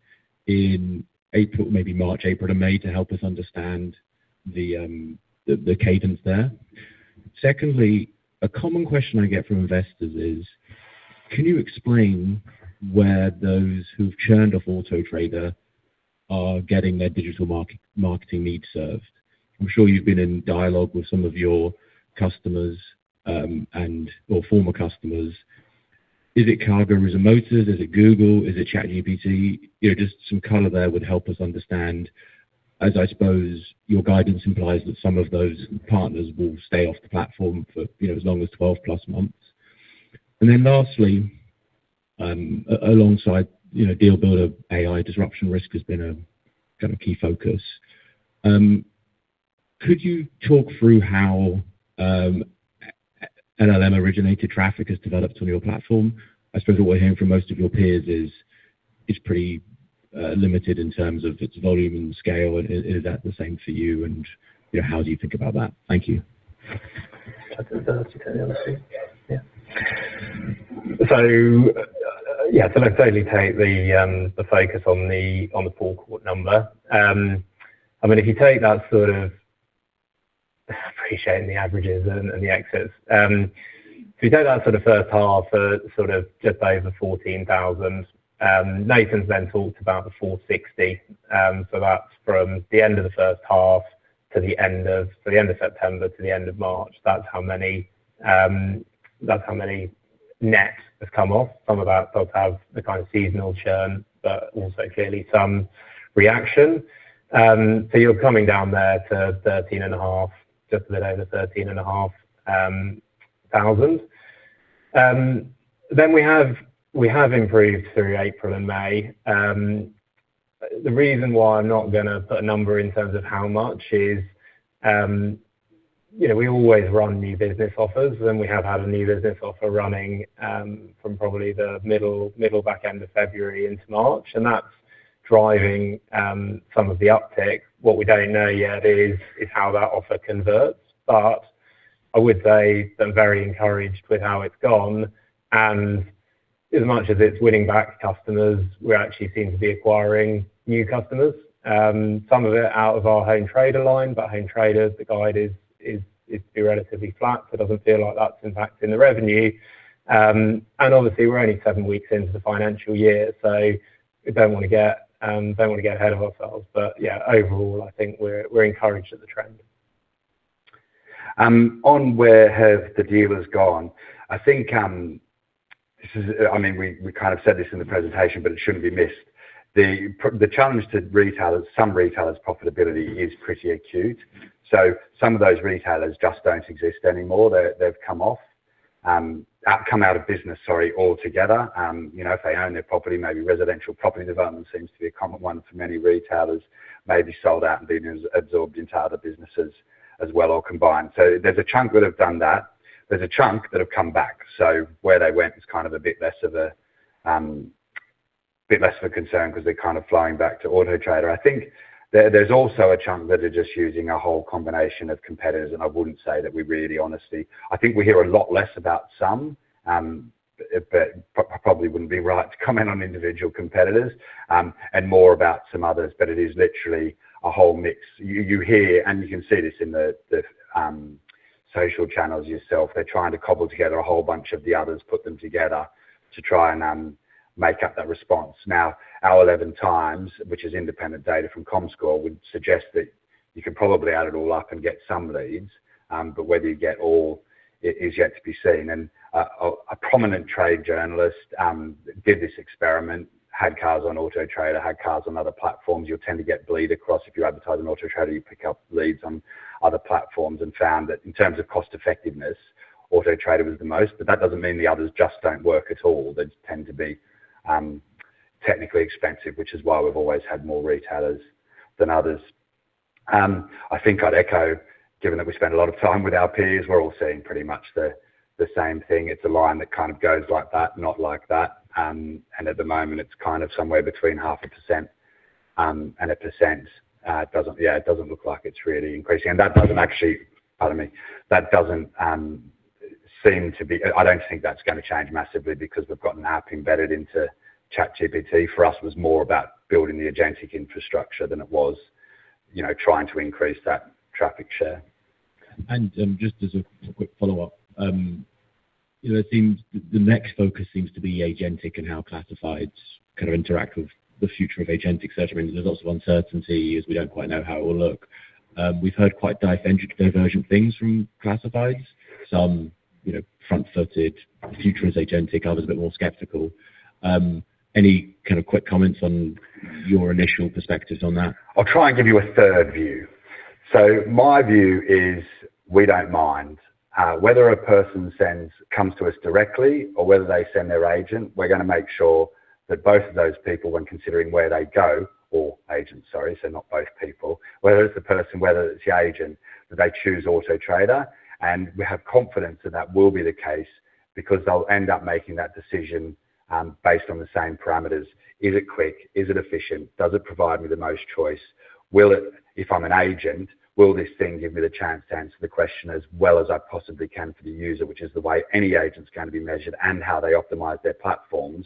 in April, maybe March, April, and May to help us understand the cadence there? Secondly, a common question I get from investors is, can you explain where those who've churned off Auto Trader are getting their digital marketing needs served? I'm sure you've been in dialogue with some of your customers or former customers. Is it CarGurus and Motors? Is it Google? Is it ChatGPT? Just some color there would help us understand, as I suppose your guidance implies that some of those partners will stay off the platform for as long as 12+ months. Then lastly, alongside Deal Builder AI disruption risk has been a key focus. Could you talk through how LLM originated traffic has developed on your platform? I suppose what we're hearing from most of your peers is pretty limited in terms of its volume and scale. Is that the same for you? How do you think about that? Thank you. Do you want to take the other two? Yeah. I totally take the focus on the forecourt number. If you take that, appreciating the averages and the exits. If you take that for the first half, just over 14,000. Nathan's talked about the 460. That's from the end of the first half to the end of September to the end of March. That's how many net have come off. Some of that they'll have the kind of seasonal churn, but also clearly some reaction. You're coming down there to 13.5, just a bit over 13,500. We have improved through April and May. The reason why I'm not going to put a number in terms of how much is we always run new business offers, and we have had a new business offer running from probably the middle back end of February into March, and that's driving some of the uptick. What we don't know yet is how that offer converts. I would say I'm very encouraged with how it's gone, and as much as it's winning back customers, we actually seem to be acquiring new customers. Some of it out of our Auto Trader line. Auto Trader's, the guide is to be relatively flat, so it doesn't feel like that's impacting the revenue. Obviously we're only seven weeks into the financial year, so we don't want to get ahead of ourselves. Yeah, overall, I think we're encouraged at the trend. On where have the dealers gone? I think we kind of said this in the presentation, but it shouldn't be missed. The challenge to some retailers' profitability is pretty acute. Some of those retailers just don't exist anymore. They've come out of business, sorry, altogether. If they own their property, maybe residential property development seems to be a common one for many retailers. Maybe sold out and been absorbed into other businesses as well or combined. There's a chunk that have done that. There's a chunk that have come back. Where they went is kind of a bit less of a concern because they're kind of flowing back to Auto Trader. I think there's also a chunk that are just using a whole combination of competitors. I wouldn't say that we really, honestly, I think we hear a lot less about some. I probably wouldn't be right to comment on individual competitors. More about some others. It is literally a whole mix. You hear. You can see this in the social channels yourself. They're trying to cobble together a whole bunch of the others, put them together to try and make up that response. Our 11x, which is independent data from Comscore, would suggest that you could probably add it all up and get some leads. Whether you get all is yet to be seen. A prominent trade journalist did this experiment, had cars on Auto Trader, had cars on other platforms. You'll tend to get bleed across. If you advertise on Auto Trader, you pick up leads on other platforms and found that in terms of cost-effectiveness, Auto Trader was the most. That doesn't mean the others just don't work at all. They tend to be technically expensive, which is why we've always had more retailers than others. I think I'd echo, given that we spend a lot of time with our peers, we're all seeing pretty much the same thing. It's a line that kind of goes like that, not like that. At the moment, it's kind of somewhere between half a percent and 1%. Yeah, it doesn't look like it's really increasing. That doesn't actually. Pardon me. I don't think that's going to change massively because we've got an app embedded into ChatGPT. For us, it was more about building the agentic infrastructure than it was trying to increase that traffic share. Just as a quick follow-up. It seems the next focus seems to be agentic and how classifieds kind of interact with the future of agentic search. I mean, there's lots of uncertainty as we don't quite know how it will look. We've heard quite divergent things from classifieds. Some front-footed, the future is agentic, others a bit more skeptical. Any kind of quick comments on your initial perspectives on that? I'll try and give you a third view. My view is we don't mind. Whether a person comes to us directly or whether they send their agent, we're going to make sure that both of those people, when considering where they go or agent, sorry, so not both people. Whether it's the person, whether it's the agent, that they choose Auto Trader. We have confidence that that will be the case because they'll end up making that decision based on the same parameters. Is it quick? Is it efficient? Does it provide me the most choice? If I'm an agent, will this thing give me the chance to answer the question as well as I possibly can for the user, which is the way any agent's going to be measured and how they optimize their platforms?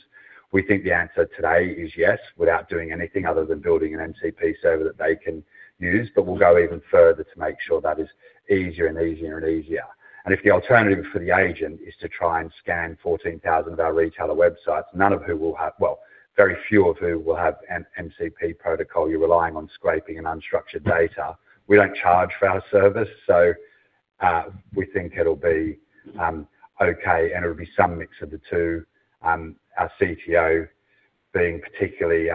We think the answer today is yes, without doing anything other than building an MCP server that they can use. We'll go even further to make sure that is easier and easier. If the alternative for the agent is to try and scan 14,000 of our retailer websites, very few of who will have an MCP protocol. You're relying on scraping and unstructured data. We don't charge for our service, we think it'll be okay and it'll be some mix of the two. Our CTO being particularly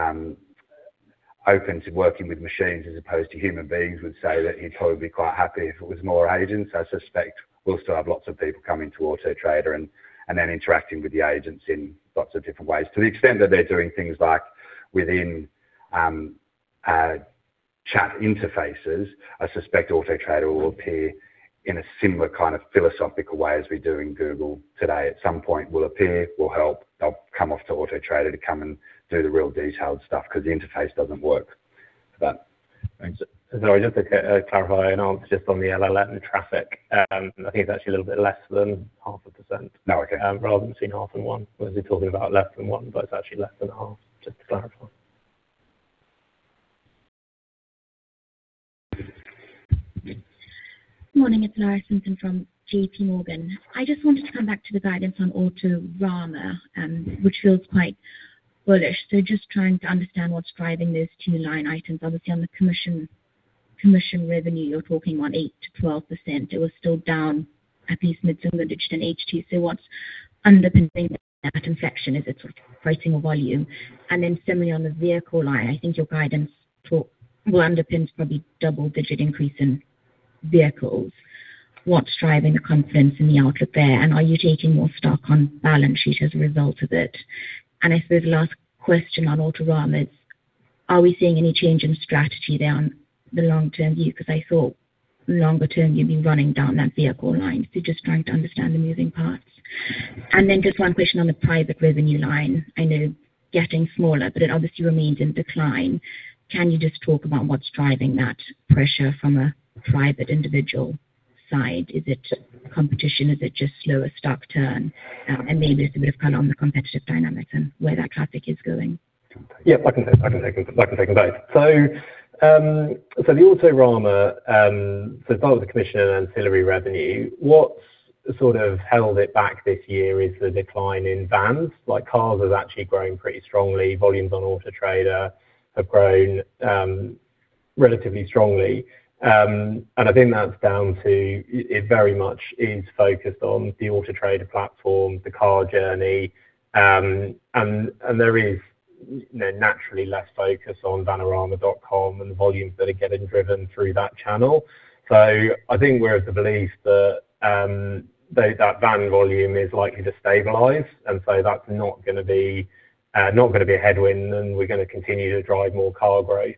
open to working with machines as opposed to human beings would say that he'd probably be quite happy if it was more agents. I suspect we'll still have lots of people coming to Auto Trader and then interacting with the agents in lots of different ways. To the extent that they're doing things like within chat interfaces, I suspect Auto Trader will appear in a similar kind of philosophical way as we do in Google today. At some point we'll appear, we'll help. They'll come off to Auto Trader to come and do the real detailed stuff because the interface doesn't work for that. Thanks. Sorry, just to clarify and answer just on the LLM traffic. I think it is actually a little bit less than half a percent. Oh, okay. Rather than saying half and one, was he talking about less than one, but it's actually less than half. Just to clarify. Morning, it's Lara Simpson from J.P. Morgan. I just wanted to come back to the guidance on Autorama, which feels quite bullish. Just trying to understand what's driving those two line items. Obviously, on the commission revenue, you're talking what, 8%-12%? It was still down at least mid-single digit in H2. What's underpinning that inflection? Is it pricing or volume? Similarly on the vehicle line, I think your guidance talk what underpins probably double-digit increase in vehicles, what's driving the confidence in the output there, and are you taking more stock on balance sheet as a result of it? I suppose the last question on Autorama is, are we seeing any change in strategy there on the long-term view? Because I thought longer-term you'd be running down that vehicle line. Just trying to understand the moving parts. Just one question on the private revenue line. I know getting smaller, but it obviously remains in decline. Can you just talk about what's driving that pressure from a private individual side? Is it competition? Is it just slower stock turn? Maybe just a bit of color on the competitive dynamics and where that traffic is going. Yeah, I can take them both. The Autorama, as part of the commission and ancillary revenue, what's held it back this year is the decline in vans. Cars has actually grown pretty strongly. Volumes on Auto Trader have grown relatively strongly. I think that's down to, it very much is focused on the Auto Trader platform, the car journey, and there is naturally less focus on vanarama.com and the volumes that are getting driven through that channel. I think we're of the belief that van volume is likely to stabilize, and so that's not going to be a headwind and we're going to continue to drive more car growth.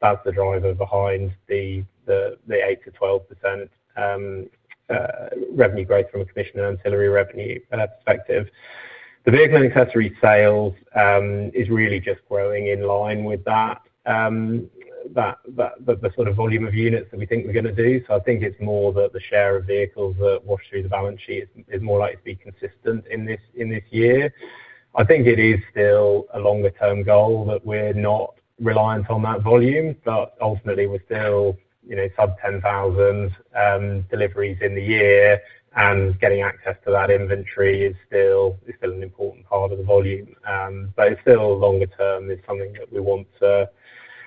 That's the driver behind the 8%-12% revenue growth from a commission and ancillary revenue perspective. The vehicle and accessory sales is really just growing in line with the volume of units that we think we're going to do. I think it's more that the share of vehicles that wash through the balance sheet is more likely to be consistent in this year. I think it is still a longer term goal that we're not reliant on that volume, but ultimately we're still sub 10,000 deliveries in the year, and getting access to that inventory is still an important part of the volume. It's still longer term. It's something that we want to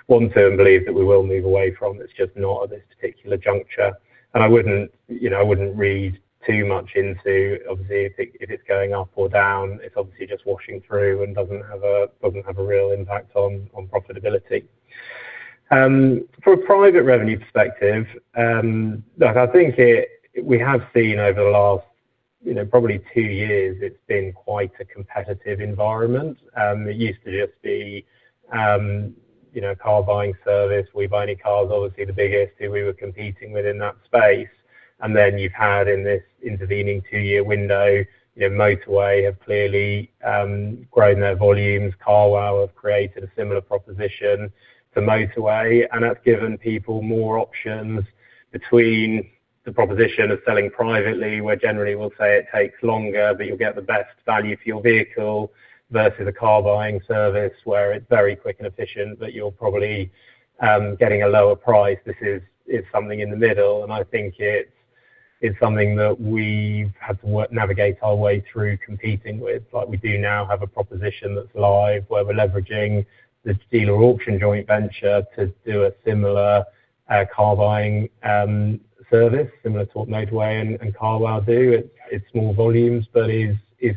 and believe that we will move away from. It's just not at this particular juncture. I wouldn't read too much into, obviously, if it's going up or down. It's obviously just washing through and doesn't have a real impact on profitability. From a private revenue perspective, look, I think we have seen over the last probably two years, it's been quite a competitive environment. It used to just be car buying service. We Buy Any Car is obviously the biggest who we were competing with in that space. Then you've had in this intervening two year window, Motorway have clearly grown their volumes. Carwow have created a similar proposition to Motorway. That's given people more options between the proposition of selling privately, where generally we'll say it takes longer, but you'll get the best value for your vehicle versus a car buying service where it's very quick and efficient, but you're probably getting a lower price. This is something in the middle. I think it's something that we've had to navigate our way through competing with. We do now have a proposition that's live where we're leveraging this Dealer Auction joint venture to do a similar car buying service, similar to what Motorway and Carwow do. It's small volumes, but is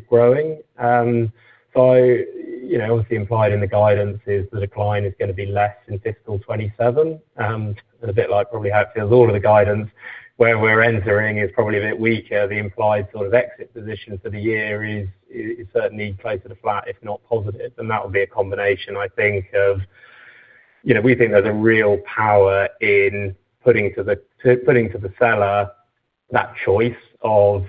growing. Obviously implied in the guidance is the decline is going to be less in FY 2027, and a bit like probably how it feels all of the guidance where we're entering is probably a bit weaker. The implied exit position for the year is certainly closer to flat, if not positive. That will be a combination. We think there's a real power in putting to the seller that choice of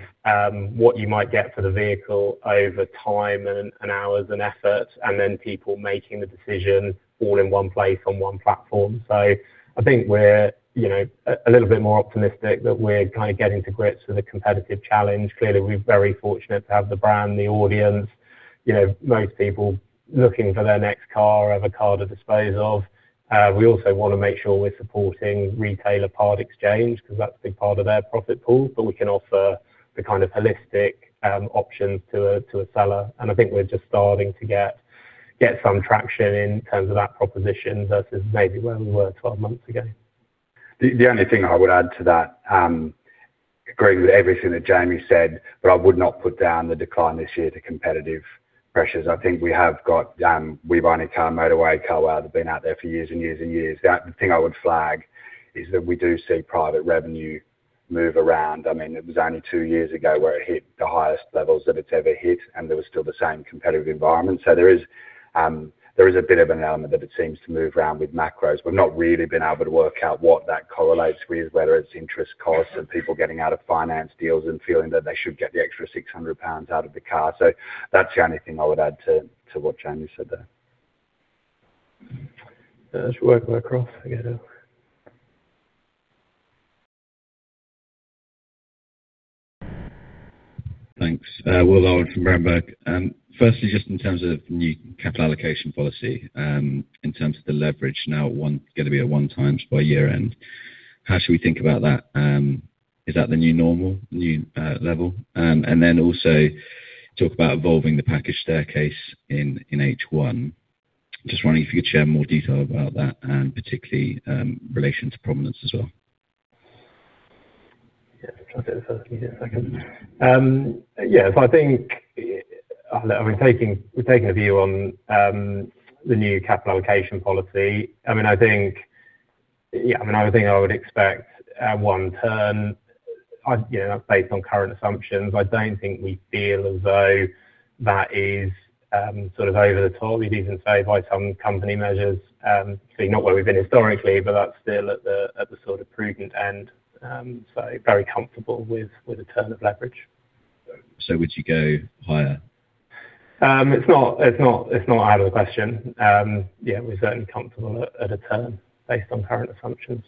what you might get for the vehicle over time and hours and effort, and then people making the decision all in one place on one platform. I think we're a little bit more optimistic that we're getting to grips with a competitive challenge. Clearly, we're very fortunate to have the brand, the audience. Most people looking for their next car have a car to dispose of. We also want to make sure we're supporting retailer part exchange because that's a big part of their profit pool, but we can offer the kind of holistic options to a seller, and I think we're just starting to get some traction in terms of that proposition versus maybe where we were 12 months ago. The only thing I would add to that, agreeing with everything that Jamie said, I would not put down the decline this year to competitive pressures. I think we have got We Buy Any Car, Motorway, Carwow have been out there for years and years and years. The thing I would flag is that we do see private revenue move around. It was only two years ago where it hit the highest levels that it's ever hit, there was still the same competitive environment. There is a bit of an element that it seems to move around with macros. We've not really been able to work out what that correlates with, whether it's interest costs and people getting out of finance deals and feeling that they should get the extra 600 pounds out of the car. That's the only thing I would add to what Jamie said there. Let's work our way across. I get it. Thanks. Will Allen from Bloomberg. Firstly, just in terms of new capital allocation policy, in terms of the leverage now going to be at 1x by year end, how should we think about that? Is that the new normal, new level? Also talk about evolving the package staircase in H1. Just wondering if you could share more detail about that and particularly relation to Prominence as well. Yeah. I'll take the first, you take the second. Yeah. We've taken a view on the new capital allocation policy. I would think I would expect at 1 turn, based on current assumptions, I don't think we feel as though that is over the top. It is insane by some company measures. You're not where we've been historically, but that's still at the prudent end. Very comfortable with the turn of leverage. Would you go higher? It's not out of the question. Yeah, we're certainly comfortable at a turn based on current assumptions.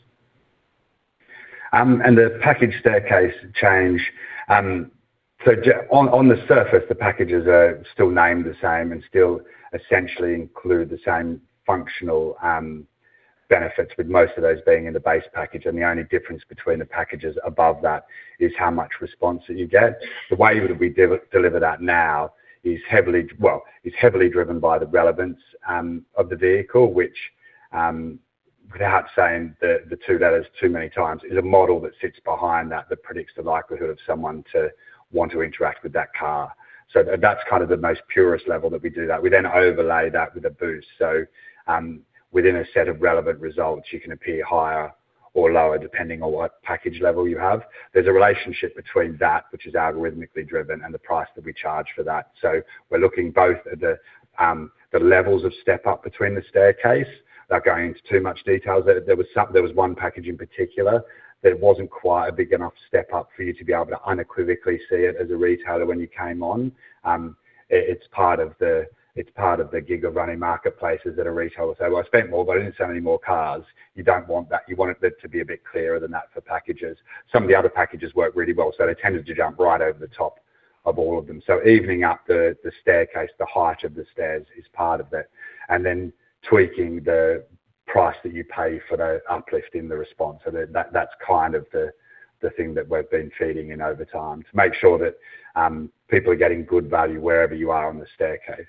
The package staircase change. On the surface, the packages are still named the same and still essentially include the same functional benefits, with most of those being in the base package, and the only difference between the packages above that is how much response you get. The way we deliver that now is heavily driven by the relevance of the vehicle, which, without saying the two letters too many times, is a model that sits behind that predicts the likelihood of someone to want to interact with that car. That's the most purest level that we do that. We overlay that with a boost. Within a set of relevant results, you can appear higher or lower depending on what package level you have. There's a relationship between that, which is algorithmically driven, and the price that we charge for that. We're looking both at the levels of step up between the staircase without going into too much details. There was one package in particular that wasn't quite a big enough step up for you to be able to unequivocally see it as a retailer when you came on. It's part of the gig of running marketplaces at a retailer. I spent more, but I didn't sell many more cars. You don't want that. You want it to be a bit clearer than that for packages. Some of the other packages work really well, they tended to jump right over the top of all of them. Evening up the staircase, the height of the stairs is part of it, and then tweaking the price that you pay for the uplift in the response. That's kind of the thing that we've been feeding in over time to make sure that people are getting good value wherever you are on the staircase.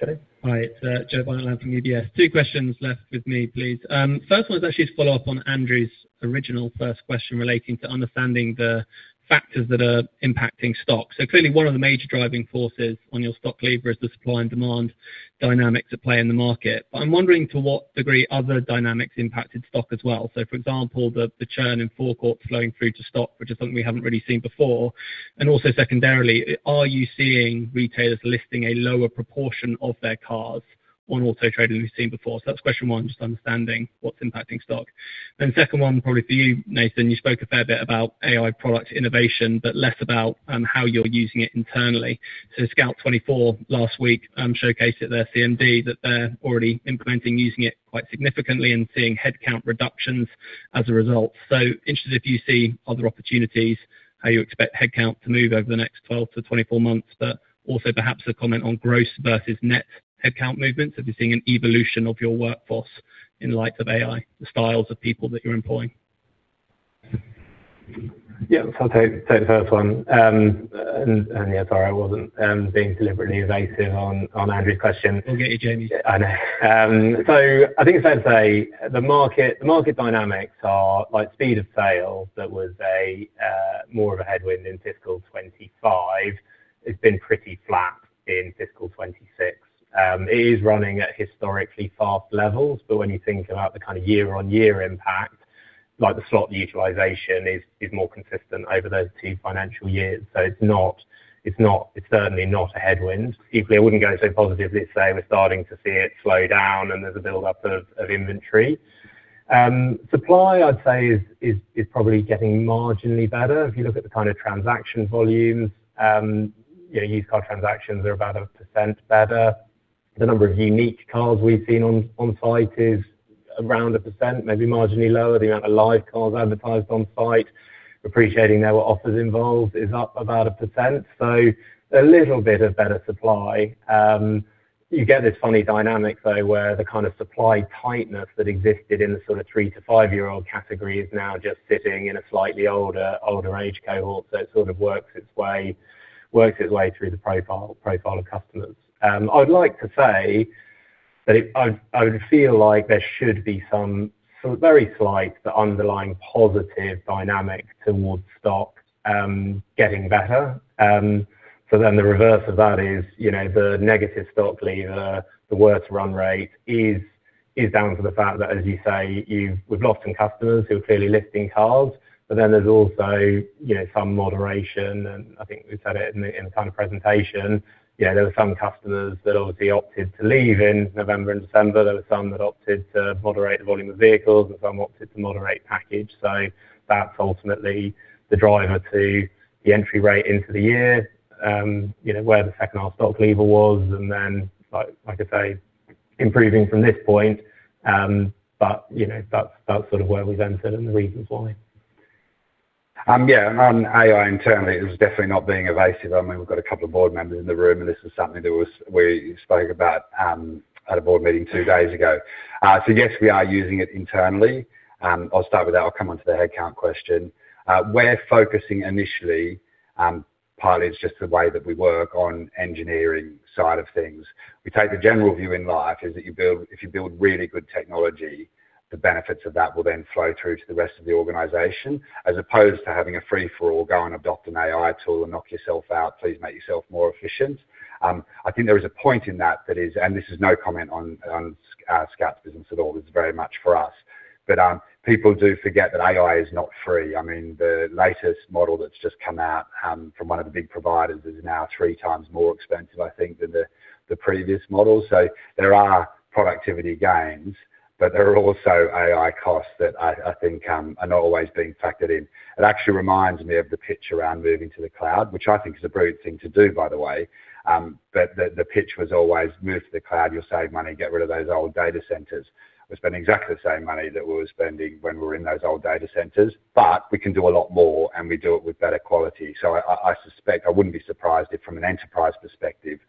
Joe? Hi, it's Joe Beaulac from UBS. Two questions left with me, please. 1st one is actually to follow up on Andrew's original 1st question relating to understanding the factors that are impacting stock. Clearly one of the major driving forces on your stock lever is the supply and demand dynamics at play in the market. I'm wondering to what degree other dynamics impacted stock as well. For example, the churn in forecourt flowing through to stock, which is something we haven't really seen before. Also secondarily, are you seeing retailers listing a lower proportion of their cars on Auto Trader than we've seen before? That's question one, just understanding what's impacting stock. 2nd 1, probably for you, Nathan, you spoke a fair bit about AI product innovation, but less about how you're using it internally. Scout24 last week showcased at their CMD that they're already implementing using it quite significantly and seeing headcount reductions as a result. Interested if you see other opportunities, how you expect headcount to move over the next 12 to 24 months, but also perhaps a comment on gross versus net headcount movements. If you're seeing an evolution of your workforce in light of AI, the styles of people that you're employing. Yeah. I'll take the first one. Yeah, sorry, I wasn't being deliberately evasive on Andrew's question. We'll get you, Jamie. I know. I think it's fair to say the market dynamics are like speed of sale. That was more of a headwind in FY 2025. It's been pretty flat in FY 2026. It is running at historically fast levels, but when you think about the kind of year-on-year impact, like the slot utilization is more consistent over those two financial years. It's certainly not a headwind. People wouldn't go so positively to say we're starting to see it slow down and there's a buildup of inventory. Supply, I'd say is probably getting marginally better. If you look at the kind of transaction volumes, used car transactions are about 1% better. The number of unique cars we've seen on site is around 1%, maybe marginally lower. The amount of live cars advertised on site, appreciating there were offers involved, is up about 1%. A little bit of better supply. You get this funny dynamic though, where the kind of supply tightness that existed in the sort of three to five-year-old category is now just sitting in a slightly older age cohort. It sort of works its way through the profile of customers. I would like to say that I would feel like there should be some very slight underlying positive dynamic towards stock getting better. The reverse of that is the negative stock lever, the worst run rate is down to the fact that, as you say, we've lost some customers who are clearly listing cars, but then there's also some moderation, and I think we said it in the presentation. There were some customers that obviously opted to leave in November and December. There were some that opted to moderate the volume of vehicles, and some opted to moderate package. That's ultimately the driver to the entry rate into the year where the second-half stock lever was, and then, like I say, improving from this point. That's sort of where we've entered and the reasons why. Yeah. On AI internally, it was definitely not being evasive. I mean, we've got a couple of board members in the room, and this is something that we spoke about at a board meeting two days ago. Yes, we are using it internally. I'll start with that. I'll come on to the headcount question. We're focusing initially, partly it's just the way that we work on engineering side of things. We take the general view in life is that if you build really good technology, the benefits of that will then flow through to the rest of the organization, as opposed to having a free-for-all, go and adopt an AI tool and knock yourself out, please make yourself more efficient. I think there is a point in that, and this is no comment on Scout24's business at all, it's very much for us, but people do forget that AI is not free. I mean, the latest model that's just come out from one of the big providers is now 3x more expensive, I think, than the previous model. There are productivity gains, but there are also AI costs that I think are not always being factored in. It actually reminds me of the pitch around moving to the cloud, which I think is a brilliant thing to do, by the way. The pitch was always move to the cloud, you'll save money, get rid of those old data centers. We're spending exactly the same money that we were spending when we were in those old data centers, but we can do a lot more, and we do it with better quality. I suspect I wouldn't be surprised if from an enterprise perspective,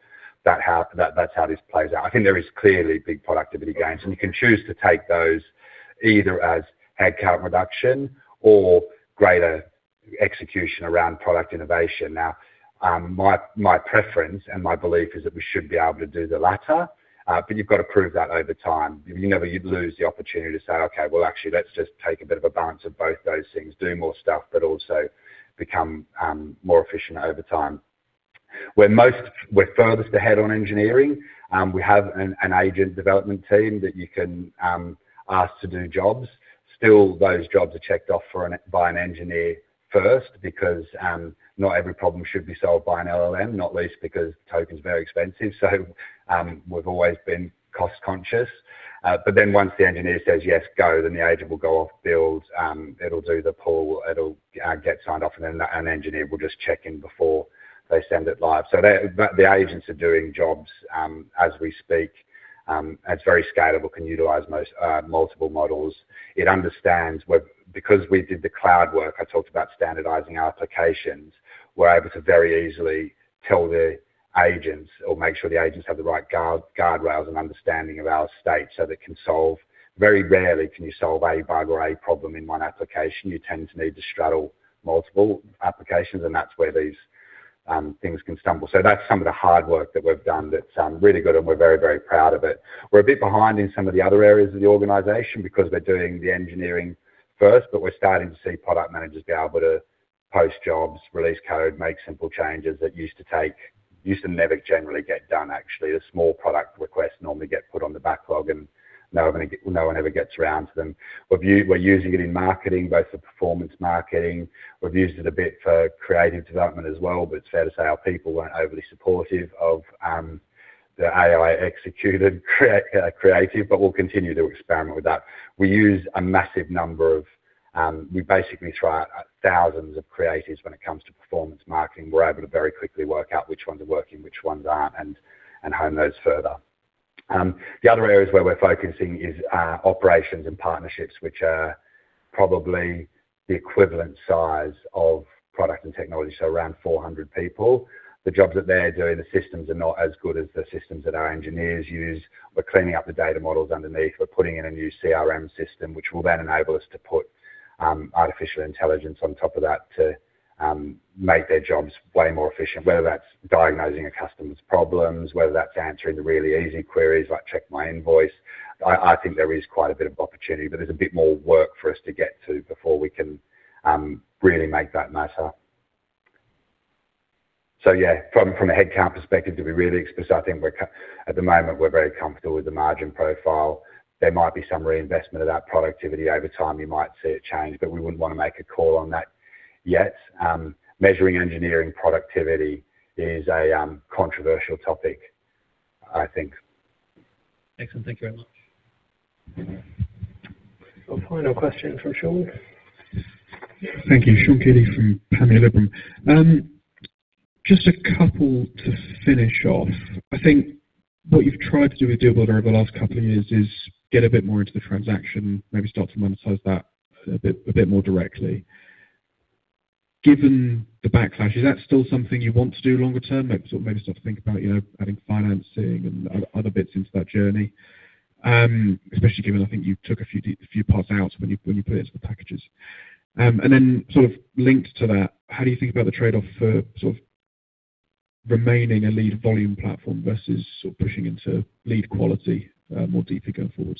that's how this plays out. I think there is clearly big productivity gains, and you can choose to take those either as headcount reduction or greater execution around product innovation. My preference and my belief is that we should be able to do the latter, but you've got to prove that over time. You'd lose the opportunity to say, okay, well, actually, let's just take a bit of a balance of both those things, do more stuff, but also become more efficient over time. We're furthest ahead on engineering. We have an agent development team that you can ask to do jobs. Those jobs are checked off by an engineer first because not every problem should be solved by an LLM, not least because token's very expensive. We've always been cost conscious. Once the engineer says, yes, go, then the agent will go off, build, it'll do the pull, it'll get signed off, and then an engineer will just check in before they send it live. The agents are doing jobs as we speak. It's very scalable, can utilize multiple models. It understands because we did the cloud work, I talked about standardizing our applications. We're able to very easily tell the agents or make sure the agents have the right guardrails and understanding of our estate, so they can solve. Very rarely can you solve a bug or a problem in one application. You tend to need to straddle multiple applications, and that's where these things can stumble. That's some of the hard work that we've done that's really good, and we're very proud of it. We're a bit behind in some of the other areas of the organization because we're doing the engineering first, but we're starting to see product managers be able to post jobs, release code, make simple changes that used to never generally get done, actually. The small product requests normally get put on the backlog, and no one ever gets around to them. We're using it in marketing, both the performance marketing. We've used it a bit for creative development as well, but fair to say our people weren't overly supportive of the AI-executed creative, but we'll continue to experiment with that. We basically try out thousands of creatives when it comes to performance marketing. We're able to very quickly work out which ones are working, which ones aren't, and hone those further. The other areas where we're focusing is operations and partnerships, which are probably the equivalent size of product and technology, so around 400 people. The jobs that they're doing, the systems are not as good as the systems that our engineers use. We're cleaning up the data models underneath. We're putting in a new CRM system, which will then enable us to put artificial intelligence on top of that to make their jobs way more efficient, whether that's diagnosing a customer's problems, whether that's answering the really easy queries like check my invoice. I think there is quite a bit of opportunity, but there's a bit more work for us to get to before we can really make that matter. Yeah, from a headcount perspective to be really explicit, I think at the moment, we're very comfortable with the margin profile. There might be some reinvestment of that productivity over time. You might see it change, but we wouldn't want to make a call on that yet. Measuring engineering productivity is a controversial topic, I think. Thank you very much. A final question from Sean. Thank you. Sean Kealy from Panmure Gordon. Just a couple to finish off. I think what you've tried to do with Deal Builder over the last couple of years is get a bit more into the transaction, maybe start to monetize that a bit more directly. Given the backlash, is that still something you want to do longer term? Maybe start to think about adding financing and other bits into that journey, especially given I think you took a few parts out when you put it into the packages. Linked to that, how do you think about the trade-off for remaining a lead volume platform versus pushing into lead quality more deeply going forward?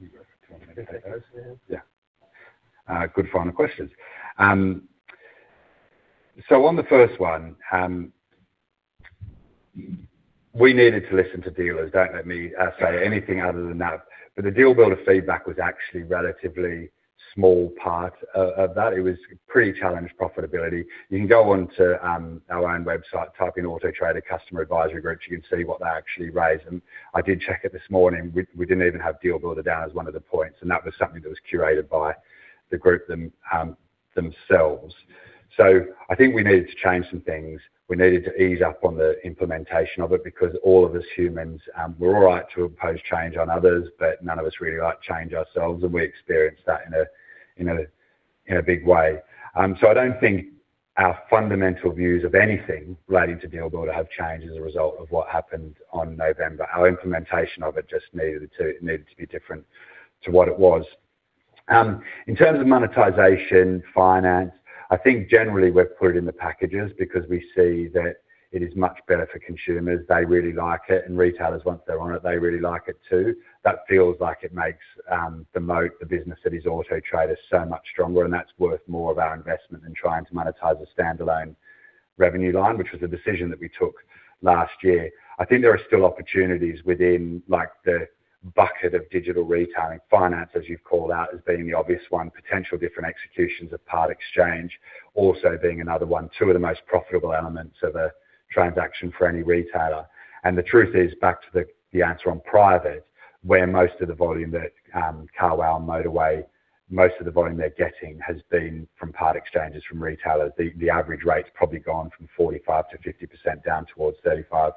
Do you want me to take those? Yeah. Good final questions. On the first one, we needed to listen to dealers. Don't let me say anything other than that. The Deal Builder feedback was actually relatively small part of that. It was pretty challenged profitability. You can go onto our own website, type in Auto Trader customer advisory groups. You can see what they actually raised, and I did check it this morning. We didn't even have Deal Builder down as one of the points, and that was something that was curated by the group themselves. I think we needed to change some things. We needed to ease up on the implementation of it because all of us humans, we're all right to impose change on others, but none of us really like change ourselves, and we experienced that in a big way. I don't think our fundamental views of anything relating to Deal Builder have changed as a result of what happened on November. Our implementation of it just needed to be different to what it was. In terms of monetization, finance, I think generally we've put it in the packages because we see that it is much better for consumers. They really like it, and retailers, once they're on it, they really like it too. That feels like it makes the moat, the business that is Auto Trader, so much stronger, and that's worth more of our investment than trying to monetize a standalone revenue line, which was a decision that we took last year. I think there are still opportunities within the bucket of digital retailing. Finance, as you've called out, as being the obvious one. Potential different executions of Part Exchange also being another one. Two of the most profitable elements of a transaction for any retailer. The truth is, back to the answer on private, where most of the volume that Carwow and Motorway, most of the volume they're getting has been from part exchanges from retailers. The average rate's probably gone from 45%-50% down towards 35%-30%,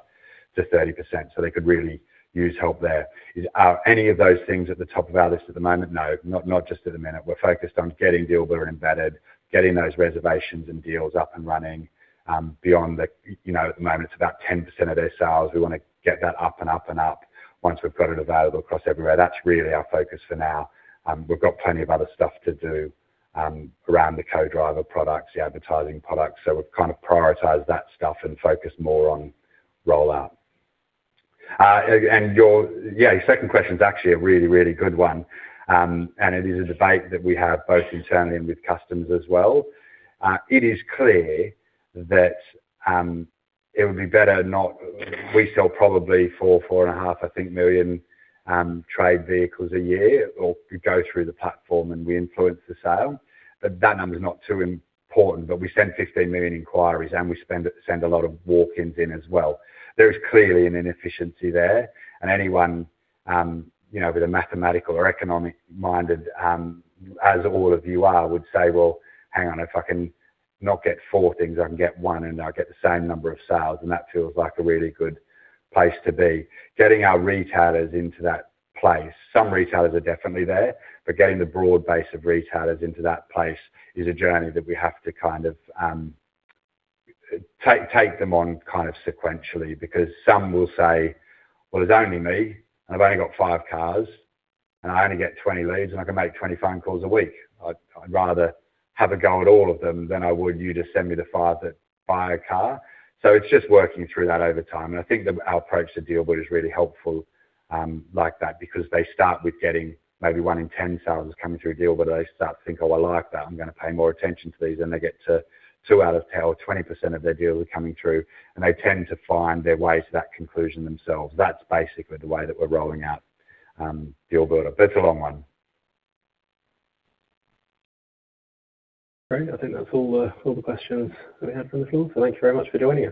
so they could really use help there. Are any of those things at the top of our list at the moment? No, not just at the minute. We're focused on getting Deal Builder embedded, getting those reservations and deals up and running. At the moment, it's about 10% of their sales. We want to get that up and up and up once we've got it available across everywhere. That's really our focus for now. We've got plenty of other stuff to do around the Co-Driver products, the advertising products. We've kind of prioritized that stuff and focused more on rollout. Your second question is actually a really, really good one, and it is a debate that we have both internally and with customers as well. It is clear that it would be better. We sell probably 4.5 million trade vehicles a year, or go through the platform and we influence the sale. That number's not too important. We send 15 million inquiries, and we send a lot of walk-ins in as well. There is clearly an inefficiency there. Anyone with a mathematical or economic-minded, as all of you are, would say, "Well, hang on, if I can not get four things, I can get one, and I get the same number of sales," and that feels like a really good place to be. Getting our retailers into that place. Some retailers are definitely there, but getting the broad base of retailers into that place is a journey that we have to take them on sequentially. Some will say, "Well, it's only me, and I've only got five cars, and I only get 20 leads, and I can make 20 phone calls a week. I'd rather have a go at all of them than I would you just send me the five that buy a car." It's just working through that over time. I think our approach to Deal Builder is really helpful like that because they start with getting maybe 1 in 10 sales coming through Deal Builder. They start to think, "Oh, I like that. I'm going to pay more attention to these." They get to 2 out of 10, or 20% of their deals are coming through, and they tend to find their way to that conclusion themselves. That's basically the way that we're rolling out Deal Builder. That's a long one. Great. I think that's all the questions that we have from the floor. Thank you very much for joining us.